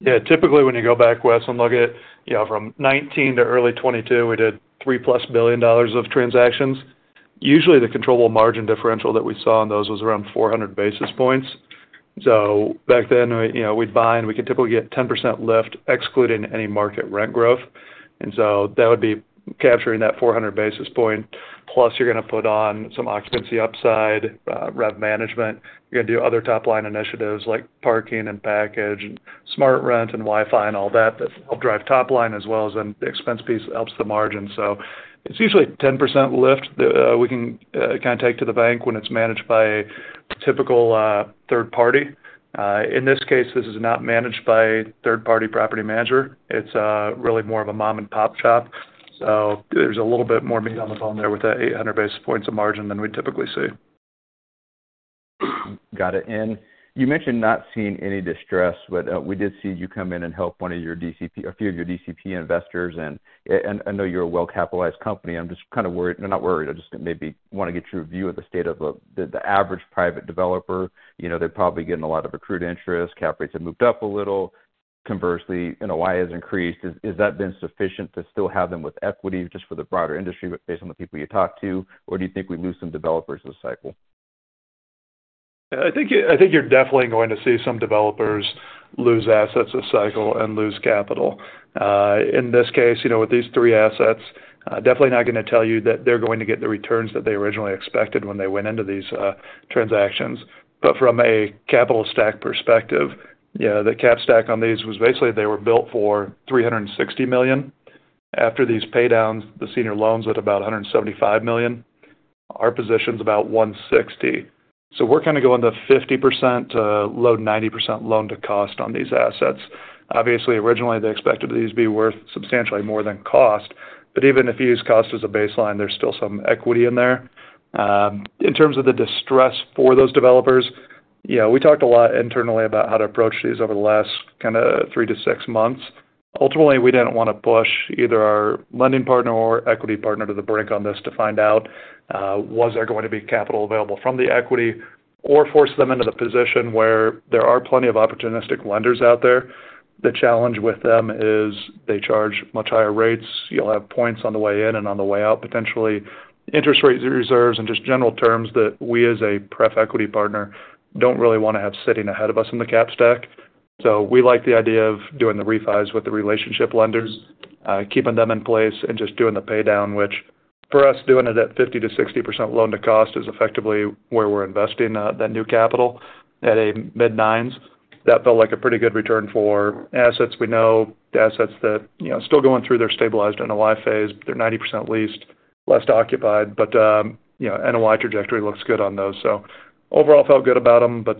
Yeah, typically, when you go back, Wes, and look at, you know, from 19 to early 2022, we did $3+ billion of transactions. Usually, the controllable margin differential that we saw on those was around 400 basis points. Back then, we, you know, we'd buy, and we could typically get 10% lift, excluding any market rent growth. That would be capturing that 400 basis point. You're going to put on some occupancy upside, rev management. You're going to do other top-line initiatives like parking and package and SmartRent and Wi-Fi and all that, that help drive top line as well as the expense piece helps the margin. It's usually a 10% lift that we can kind of take to the bank when it's managed by a typical third party. In this case, this is not managed by a third-party property manager. It's really more of a mom-and-pop shop. There's a little bit more meat on the bone there with that 800 basis points of margin than we'd typically see. Got it. You mentioned not seeing any distress. We did see you come in and help a few of your DCP investors, and I know you're a well-capitalized company. I'm just kind of worried... Not worried, I just maybe want to get your view of the state of the average private developer. You know, they're probably getting a lot of accrued interest. Cap rates have moved up a little, conversely, NOI has increased. Has that been sufficient to still have them with equity just for the broader industry based on the people you talk to? Or do you think we lose some developers this cycle? I think you're definitely going to see some developers lose assets this cycle and lose capital. In this case, you know, with these three assets, definitely not going to tell you that they're going to get the returns that they originally expected when they went into these transactions. From a capital stack perspective, yeah, the cap stack on these was basically they were built for $360 million. After these pay downs, the senior loans at about $175 million, our position's about $160 million. We're kind of going to 50% to low 90% loan-to-cost on these assets. Obviously, originally, they expected these to be worth substantially more than cost. Even if you use cost as a baseline, there's still some equity in there. In terms of the distress for those developers, yeah, we talked a lot internally about how to approach these over the last kind of 3 to 6 months. Ultimately, we didn't want to push either our lending partner or equity partner to the brink on this to find out, was there going to be capital available from the equity or force them into the position where there are plenty of opportunistic lenders out there. The challenge with them is they charge much higher rates. You'll have points on the way in and on the way out, potentially interest rates reserves and just general terms that we, as a pref-equity partner, don't really want to have sitting ahead of us in the cap stack. We like the idea of doing the refis with the relationship lenders, keeping them in place and just doing the pay down, which for us, doing it at 50%-60% loan-to-cost is effectively where we're investing that new capital at a mid-9s. That felt like a pretty good return for assets. We know the assets that, you know, still going through their stabilized NOI phase. They're 90% leased, less occupied, but, you know, NOI trajectory looks good on those. Overall, felt good about them, but,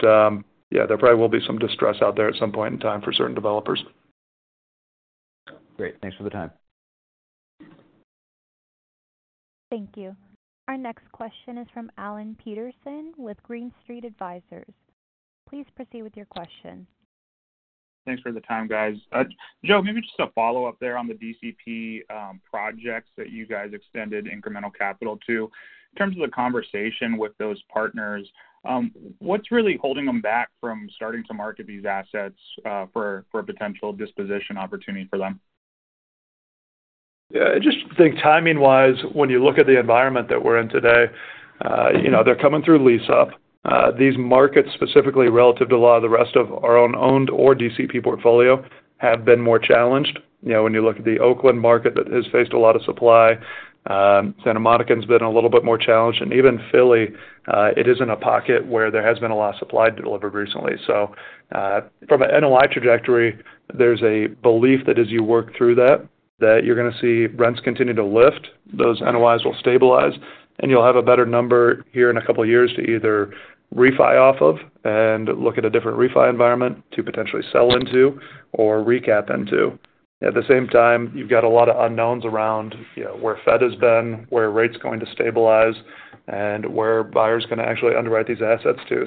yeah, there probably will be some distress out there at some point in time for certain developers. Great. Thanks for the time. Thank you. Our next question is from Alan Peterson with Green Street Advisors. Please proceed with your question. Thanks for the time, guys. Joe, maybe just a follow-up there on the DCP projects that you guys extended incremental capital to. In terms of the conversation with those partners, what's really holding them back from starting to market these assets, for a potential disposition opportunity for them? Yeah, I just think timing-wise, when you look at the environment that we're in today, you know, they're coming through lease up. These markets, specifically relative to a lot of the rest of our own owned or DCP portfolio, have been more challenged. You know, when you look at the Oakland market, that has faced a lot of supply, Santa Monica has been a little bit more challenged, and even Philly, it is in a pocket where there has been a lot of supply delivered recently. From an NOI trajectory, there's a belief that as you work through that, that you're going to see rents continue to lift. Those NOIs will stabilize, and you'll have a better number here in a couple of years to either refi off of and look at a different refi environment to potentially sell into or recap into. At the same time, you've got a lot of unknowns around, you know, where Fed has been, where rate's going to stabilize, and where buyers can actually underwrite these assets to.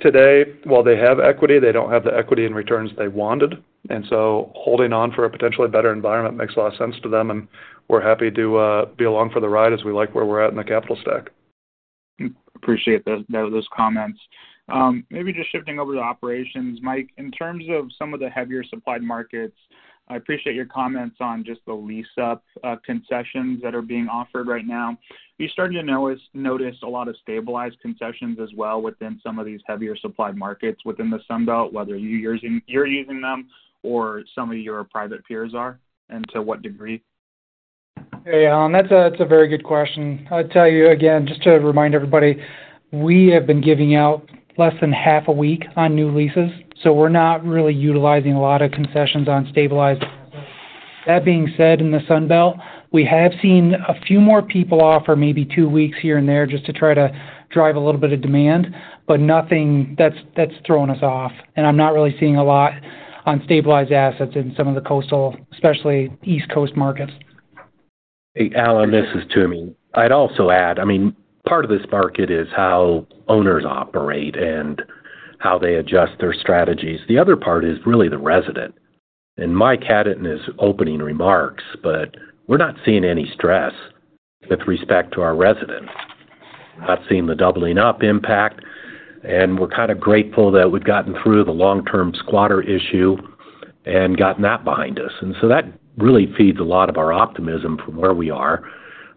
Today, while they have equity, they don't have the equity and returns they wanted, holding on for a potentially better environment makes a lot of sense to them, and we're happy to be along for the ride as we like where we're at in the capital stack. Appreciate those comments. Maybe just shifting over to operations. Mike, in terms of some of the heavier supplied markets, I appreciate your comments on just the lease-up concessions that are being offered right now. Are you starting to notice a lot of stabilized concessions as well within some of these heavier supplied markets within the Sun Belt, whether you're using them or some of your private peers are, and to what degree? Hey, Alan, that's a very good question. I'll tell you again, just to remind everybody, we have been giving out less than half a week on new leases, so we're not really utilizing a lot of concessions on stabilized. That being said, in the Sun Belt, we have seen a few more people offer maybe 2 weeks here and there just to try to drive a little bit of demand, but nothing that's, that's throwing us off. I'm not really seeing a lot on stabilized assets in some of the coastal, especially East Coast markets. Hey, Alan, this is Toomey. I'd also add, I mean, part of this market is how owners operate and how they adjust their strategies. The other part is really the resident. Mike had it in his opening remarks, but we're not seeing any stress with respect to our residents. Not seeing the doubling up impact, and we're kind of grateful that we've gotten through the long-term squatter issue and gotten that behind us. That really feeds a lot of our optimism from where we are.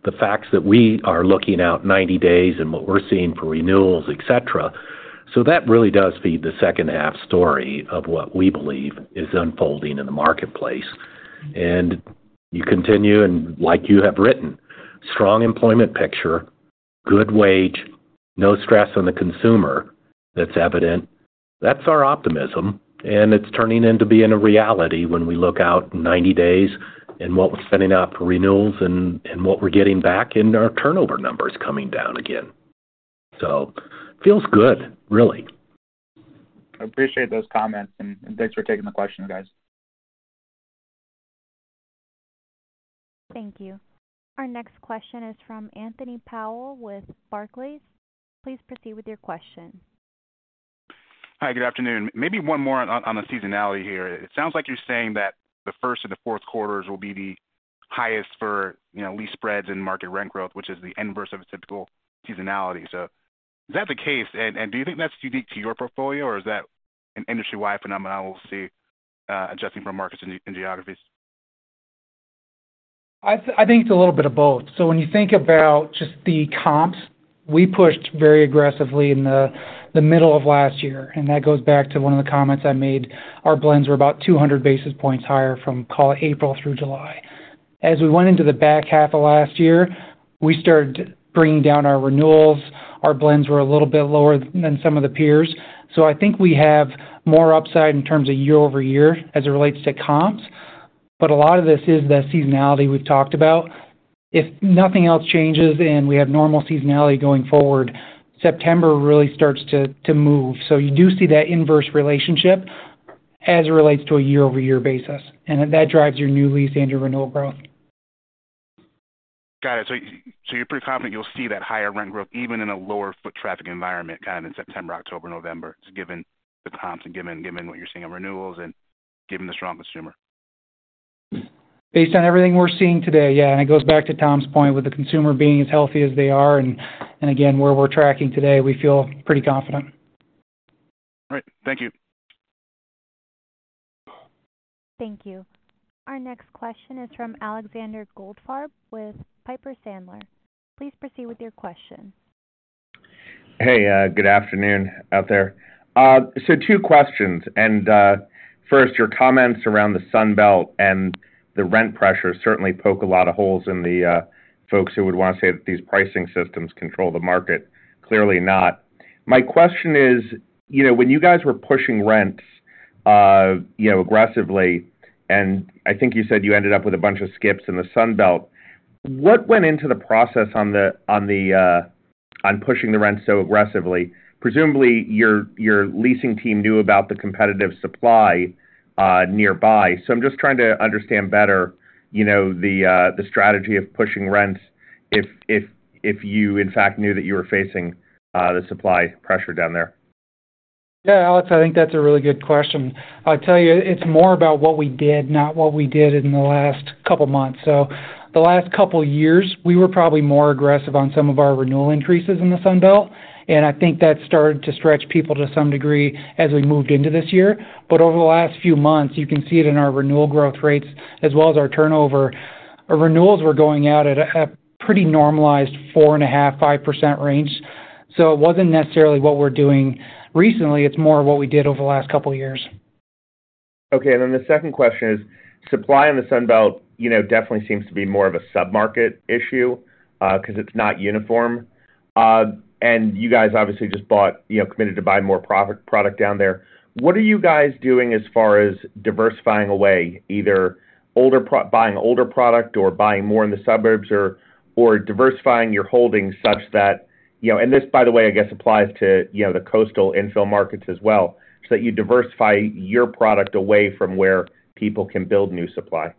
The facts that we are looking out 90 days and what we're seeing for renewals, et cetera. That really does feed the H2 story of what we believe is unfolding in the marketplace. You continue and like you have written, strong employment picture, good wage, no stress on the consumer that's evident. That's our optimism, and it's turning in to be in a reality when we look out 90 days and what we're sending out for renewals and what we're getting back, and our turnover number is coming down again. Feels good, really. I appreciate those comments, and thanks for taking the question, guys. Thank you. Our next question is from Anthony Powell with Barclays. Please proceed with your question. Hi, good afternoon. Maybe one more on the seasonality here. It sounds like you're saying that the Q1 and the Q4s will be the highest for, you know, lease spreads and market rent growth, which is the inverse of a typical seasonality. Is that the case, and do you think that's unique to your portfolio, or is that an industry-wide phenomenon we'll see, adjusting for markets and geographies? I think it's a little bit of both. When you think about just the comps, we pushed very aggressively in the middle of last year, and that goes back to one of the comments I made. Our blends were about 200 basis points higher from, call it, April through July. We went into the back half of last year, we started bringing down our renewals. Our blends were a little bit lower than some of the peers. I think we have more upside in terms of year-over-year as it relates to comps, but a lot of this is the seasonality we've talked about. If nothing else changes and we have normal seasonality going forward, September really starts to move. You do see that inverse relationship as it relates to a year-over-year basis, and that drives your new lease and your renewal growth. Got it. You're pretty confident you'll see that higher rent growth, even in a lower foot traffic environment, kind of in September, October, November, just given the comps and given what you're seeing in renewals and given the strong consumer? Based on everything we're seeing today, yeah. It goes back to Tom's point, with the consumer being as healthy as they are, and again, where we're tracking today, we feel pretty confident. Great. Thank you. Thank you. Our next question is from Alexander Goldfarb, with Piper Sandler. Please proceed with your question. Hey, good afternoon out there. Two questions, first, your comments around the Sun Belt and the rent pressure certainly poke a lot of holes in the folks who would want to say that these pricing systems control the market. Clearly not. My question is, you know, when you guys were pushing rents, you know, aggressively, and I think you said you ended up with a bunch of skips in the Sun Belt, what went into the process on the on pushing the rent so aggressively? Presumably, your leasing team knew about the competitive supply nearby. I'm just trying to understand better, you know, the strategy of pushing rents if you, in fact, knew that you were facing the supply pressure down there. Yeah, Alex, I think that's a really good question. I'll tell you, it's more about what we did, not what we did in the last couple of months. The last couple of years, we were probably more aggressive on some of our renewal increases in the Sun Belt, and I think that started to stretch people to some degree as we moved into this year. Over the last few months, you can see it in our renewal growth rates as well as our turnover. Our renewals were going out at a pretty normalized 4.5%-5% range. It wasn't necessarily what we're doing recently, it's more what we did over the last couple of years. Okay, the second question is, supply in the Sun Belt, you know, definitely seems to be more of a submarket issue, cause it's not uniform. You guys obviously just bought, you know, committed to buy more product down there. What are you guys doing as far as diversifying away, either older buying older product or buying more in the suburbs or diversifying your holdings such that, you know? This, by the way, I guess, applies to, you know, the coastal infill markets as well, so that you diversify your product away from where people can build new supply.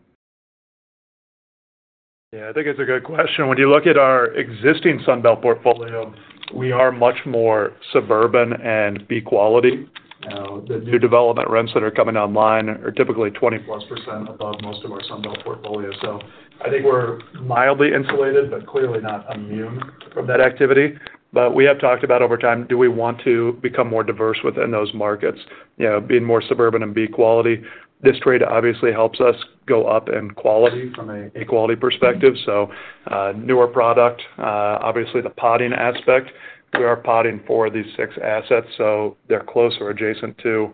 I think it's a good question. When you look at our existing Sun Belt portfolio, we are much more suburban and B quality. The new development rents that are coming online are typically 20%+ above most of our Sun Belt portfolio. I think we're mildly insulated, but clearly not immune from that activity. We have talked about over time, do we want to become more diverse within those markets? You know, being more suburban and B quality. This trade obviously helps us go up in quality from a quality perspective. Newer product, obviously the podding aspect. We are podding for these six assets, so they're close or adjacent to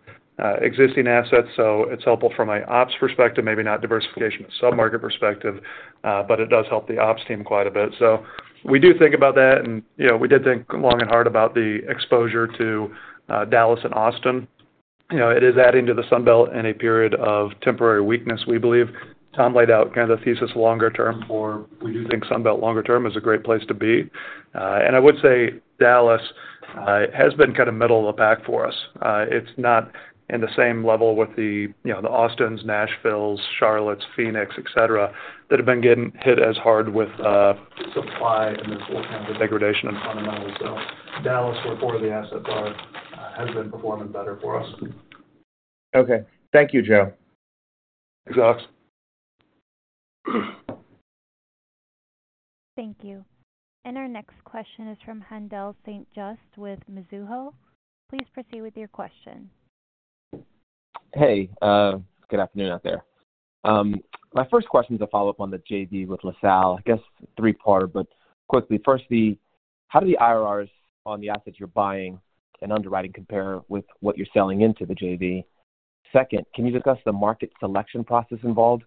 existing assets. It's helpful from an op's perspective, maybe not diversification, sub-market perspective, but it does help the ops team quite a bit. We do think about that, and, you know, we did think long and hard about the exposure to Dallas and Austin. You know, it is adding to the Sun Belt in a period of temporary weakness, we believe. Tom laid out kind of the thesis longer term, for we do think Sun Belt longer term is a great place to be. I would say Dallas has been kind of middle of the pack for us. It's not in the same level with the, you know, the Austins, Nashville's, Charlottes, Phoenix, et cetera, that have been getting hit as hard with supply and this whole kind of degradation in fundamentals. Dallas, where four of the assets are, has been performing better for us. Okay. Thank you, Joe. Thanks, Alex. Thank you. Our next question is from Haendel Saint-Juste with Mizuho. Please proceed with your question. Hey, good afternoon out there. My first question is a follow-up on the JV with LaSalle. I guess three-parter, but quickly, firstly, how do the IRRs on the assets you're buying and underwriting compare with what you're selling into the JV? Second, can you discuss the market selection process involved?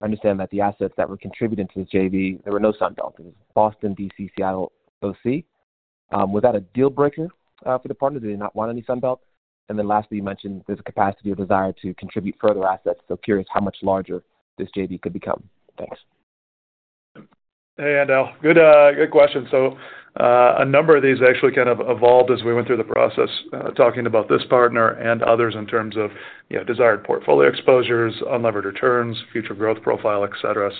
I understand that the assets that were contributed to the JV, there were no Sun Belt. It was Boston, D.C., Seattle, OC. Was that a deal breaker for the partner? Do they not want any Sun Belt? Lastly, you mentioned there's a capacity or desire to contribute further assets, so curious how much larger this JV could become. Thanks. Hey, Handel. Good question. A number of these actually kind of evolved as we went through the process, talking about this partner and others in terms of, you know, desired portfolio exposures, unlevered returns, future growth profile, et cetera.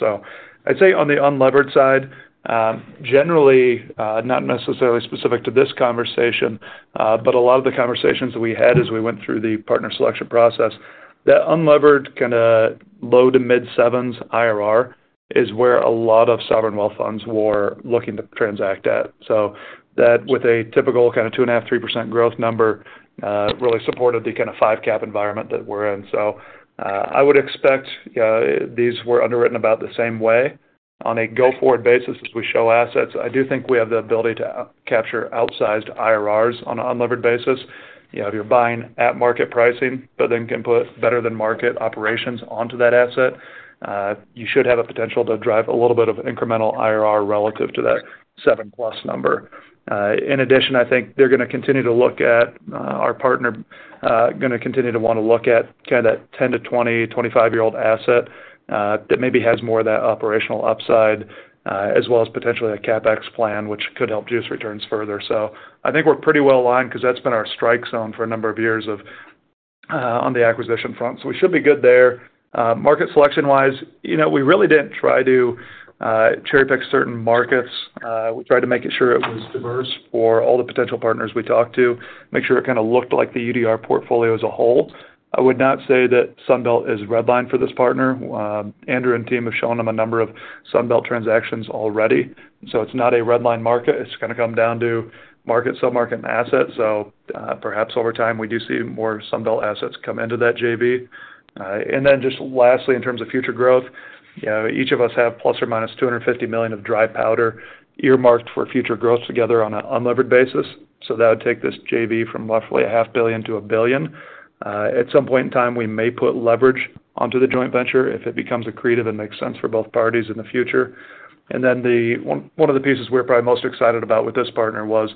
I'd say on the unlevered side, generally, not necessarily specific to this conversation, but a lot of the conversations we had as we went through the partner selection process. That unlevered kind of low to mid 7s IRR is where a lot of sovereign wealth funds were looking to transact at. That with a typical kind of 2.5%-3% growth number, really supported the kind of 5 cap environment that we're in. I would expect these were underwritten about the same way on a go-forward basis as we show assets. I do think we have the ability to capture outsized IRRs on an unlevered basis. If you're buying at market pricing, but then can put better-than-market operations onto that asset, you should have a potential to drive a little bit of incremental IRR relative to that 7+ number. In addition, I think they're going to continue to look at our partner, going to continue to want to look at kind of that 10-20, 25-year-old asset that maybe has more of that operational upside, as well as potentially a CapEx plan, which could help juice returns further. I think we're pretty well aligned because that's been our strike zone for a number of years of on the acquisition front, so we should be good there. Market selection-wise, you know, we really didn't try to cherry-pick certain markets. We tried to make it sure it was diverse for all the potential partners we talked to, make sure it kind of looked like the UDR portfolio as a whole. I would not say that Sunbelt is redline for this partner. Andrew and team have shown them a number of Sunbelt transactions already, so it's not a redline market. It's going to come down to market, sub-market, and asset. Perhaps over time, we do see more Sunbelt assets come into that JV. Just lastly, in terms of future growth, you know, each of us have ±$250 million of dry powder earmarked for future growth together on an unlevered basis. That would take this JV from roughly a half billion to $1 billion. At some point in time, we may put leverage onto the joint venture if it becomes accretive and makes sense for both parties in the future. Then one of the pieces we're probably most excited about with this partner was,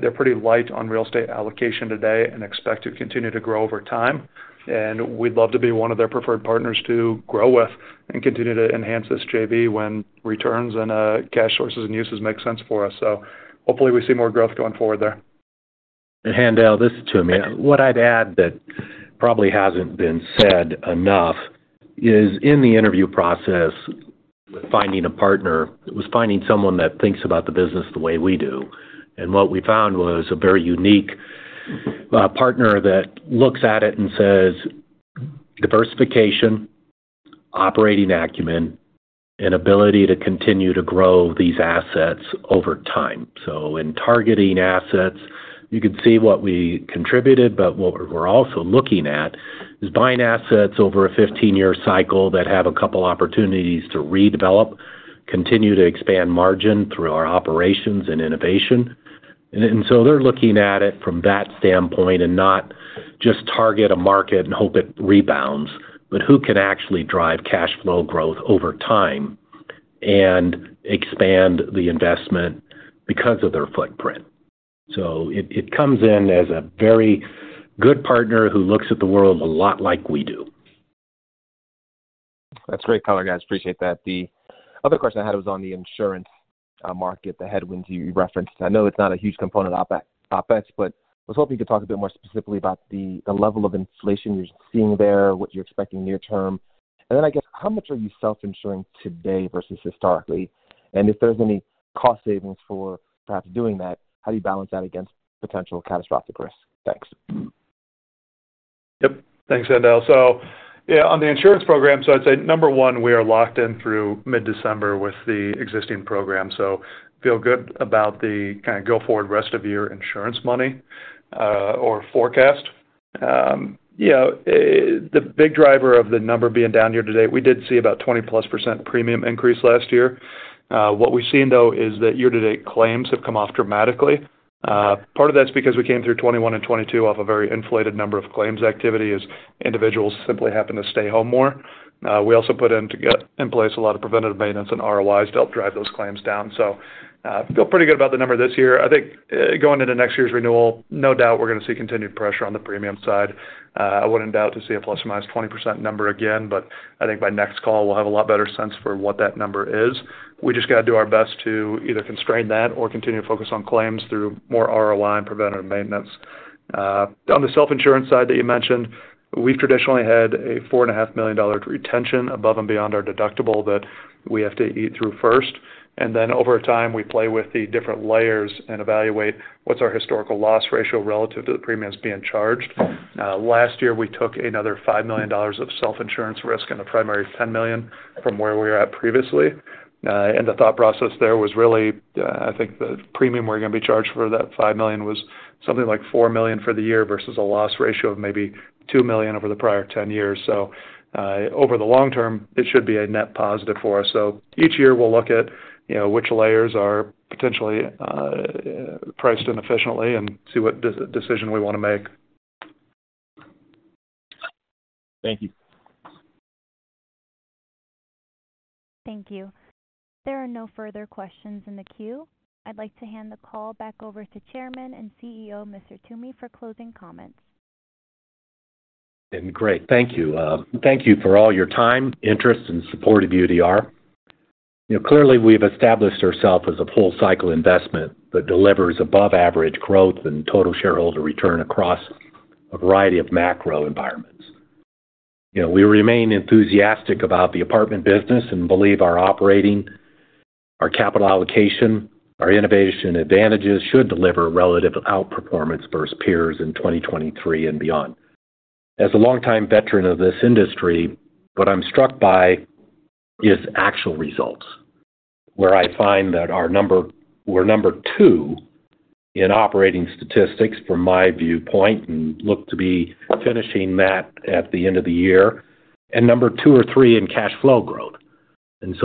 they're pretty light on real estate allocation today and expect to continue to grow over time. We'd love to be one of their preferred partners to grow with and continue to enhance this JV when returns and cash sources and uses make sense for us. Hopefully we see more growth going forward there. Haendel, this is Toomey. What I'd add that probably hasn't been said enough is in the interview process, finding a partner, it was finding someone that thinks about the business the way we do. What we found was a very unique partner that looks at it and says, diversification, operating acumen, and ability to continue to grow these assets over time. In targeting assets, you can see what we contributed, but what we're also looking at is buying assets over a 15 year cycle that have a couple opportunities to redevelop, continue to expand margin through our operations and innovation. They're looking at it from that standpoint and not just target a market and hope it rebounds, but who can actually drive cash flow growth over time and expand the investment because of their footprint. It comes in as a very good partner who looks at the world a lot like we do. That's great color, guys. Appreciate that. The other question I had was on the insurance, market, the headwinds you referenced. I know it's not a huge component of that offense, but I was hoping you could talk a bit more specifically about the level of inflation you're seeing there, what you're expecting near term. Then, I guess, how much are you self-insuring today versus historically? If there's any cost savings for perhaps doing that, how do you balance that against potential catastrophic risk? Thanks. Yep. Thanks, Handal. Yeah, on the insurance program, I'd say number one, we are locked in through mid-December with the existing program, feel good about the kind of go-forward rest of year insurance money, or forecast. Yeah, the big driver of the number being down year-to-date, we did see about 20+% premium increase last year. What we've seen, though, is that year-to-date claims have come off dramatically. Part of that's because we came through 2021 and 2022 off a very inflated number of claims activity as individuals simply happened to stay home more. We also put in to get in place a lot of preventative maintenance and ROIs to help drive those claims down. Feel pretty good about the number this year. I think, going into next year's renewal, no doubt we're going to see continued pressure on the premium side. I wouldn't doubt to see a ±20% number again. I think by next call, we'll have a lot better sense for what that number is. We just got to do our best to either constrain that or continue to focus on claims through more ROI and preventative maintenance. On the self-insurance side that you mentioned, we've traditionally had a four and a $500,000 retention above and beyond our deductible that we have to eat through first. Over time, we play with the different layers and evaluate what's our historical loss ratio relative to the premiums being charged. Last year, we took another $5 million of self-insurance risk and a primary $10 million from where we were at previously. The thought process there was really, I think the premium we're going to be charged for that $5 million was something like $4 million for the year versus a loss ratio of maybe $2 million over the prior 10 years. Over the long term, it should be a net positive for us. Each year we'll look at, you know, which layers are potentially priced inefficiently and see what decision we want to make. Thank you. Thank you. There are no further questions in the queue. I'd like to hand the call back over to Chairman and CEO, Mr. Toomey, for closing comments. Great, thank you. thank you for all your time, interest, and support of UDR. You know, clearly, we've established ourselves as a full-cycle investment that delivers above-average growth and total shareholder return across a variety of macro environments. You know, we remain enthusiastic about the apartment business and believe our operating, our capital allocation, our innovation advantages should deliver relative outperformance versus peers in 2023 and beyond. As a longtime veteran of this industry, what I'm struck by is actual results, where I find that we're number two in operating statistics from my viewpoint, and look to be finishing that at the end of the year, and number two or three in cash flow growth.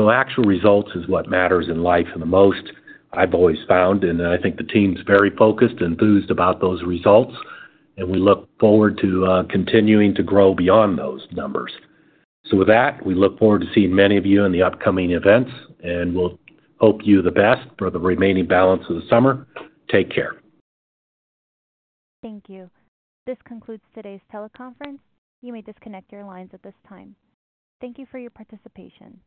Actual results is what matters in life the most, I've always found, and I think the team's very focused and enthused about those results, and we look forward to continuing to grow beyond those numbers. With that, we look forward to seeing many of you in the upcoming events, and we'll hope you the best for the remaining balance of the summer. Take care. Thank you. This concludes today's teleconference. You may disconnect your lines at this time. Thank you for your participation.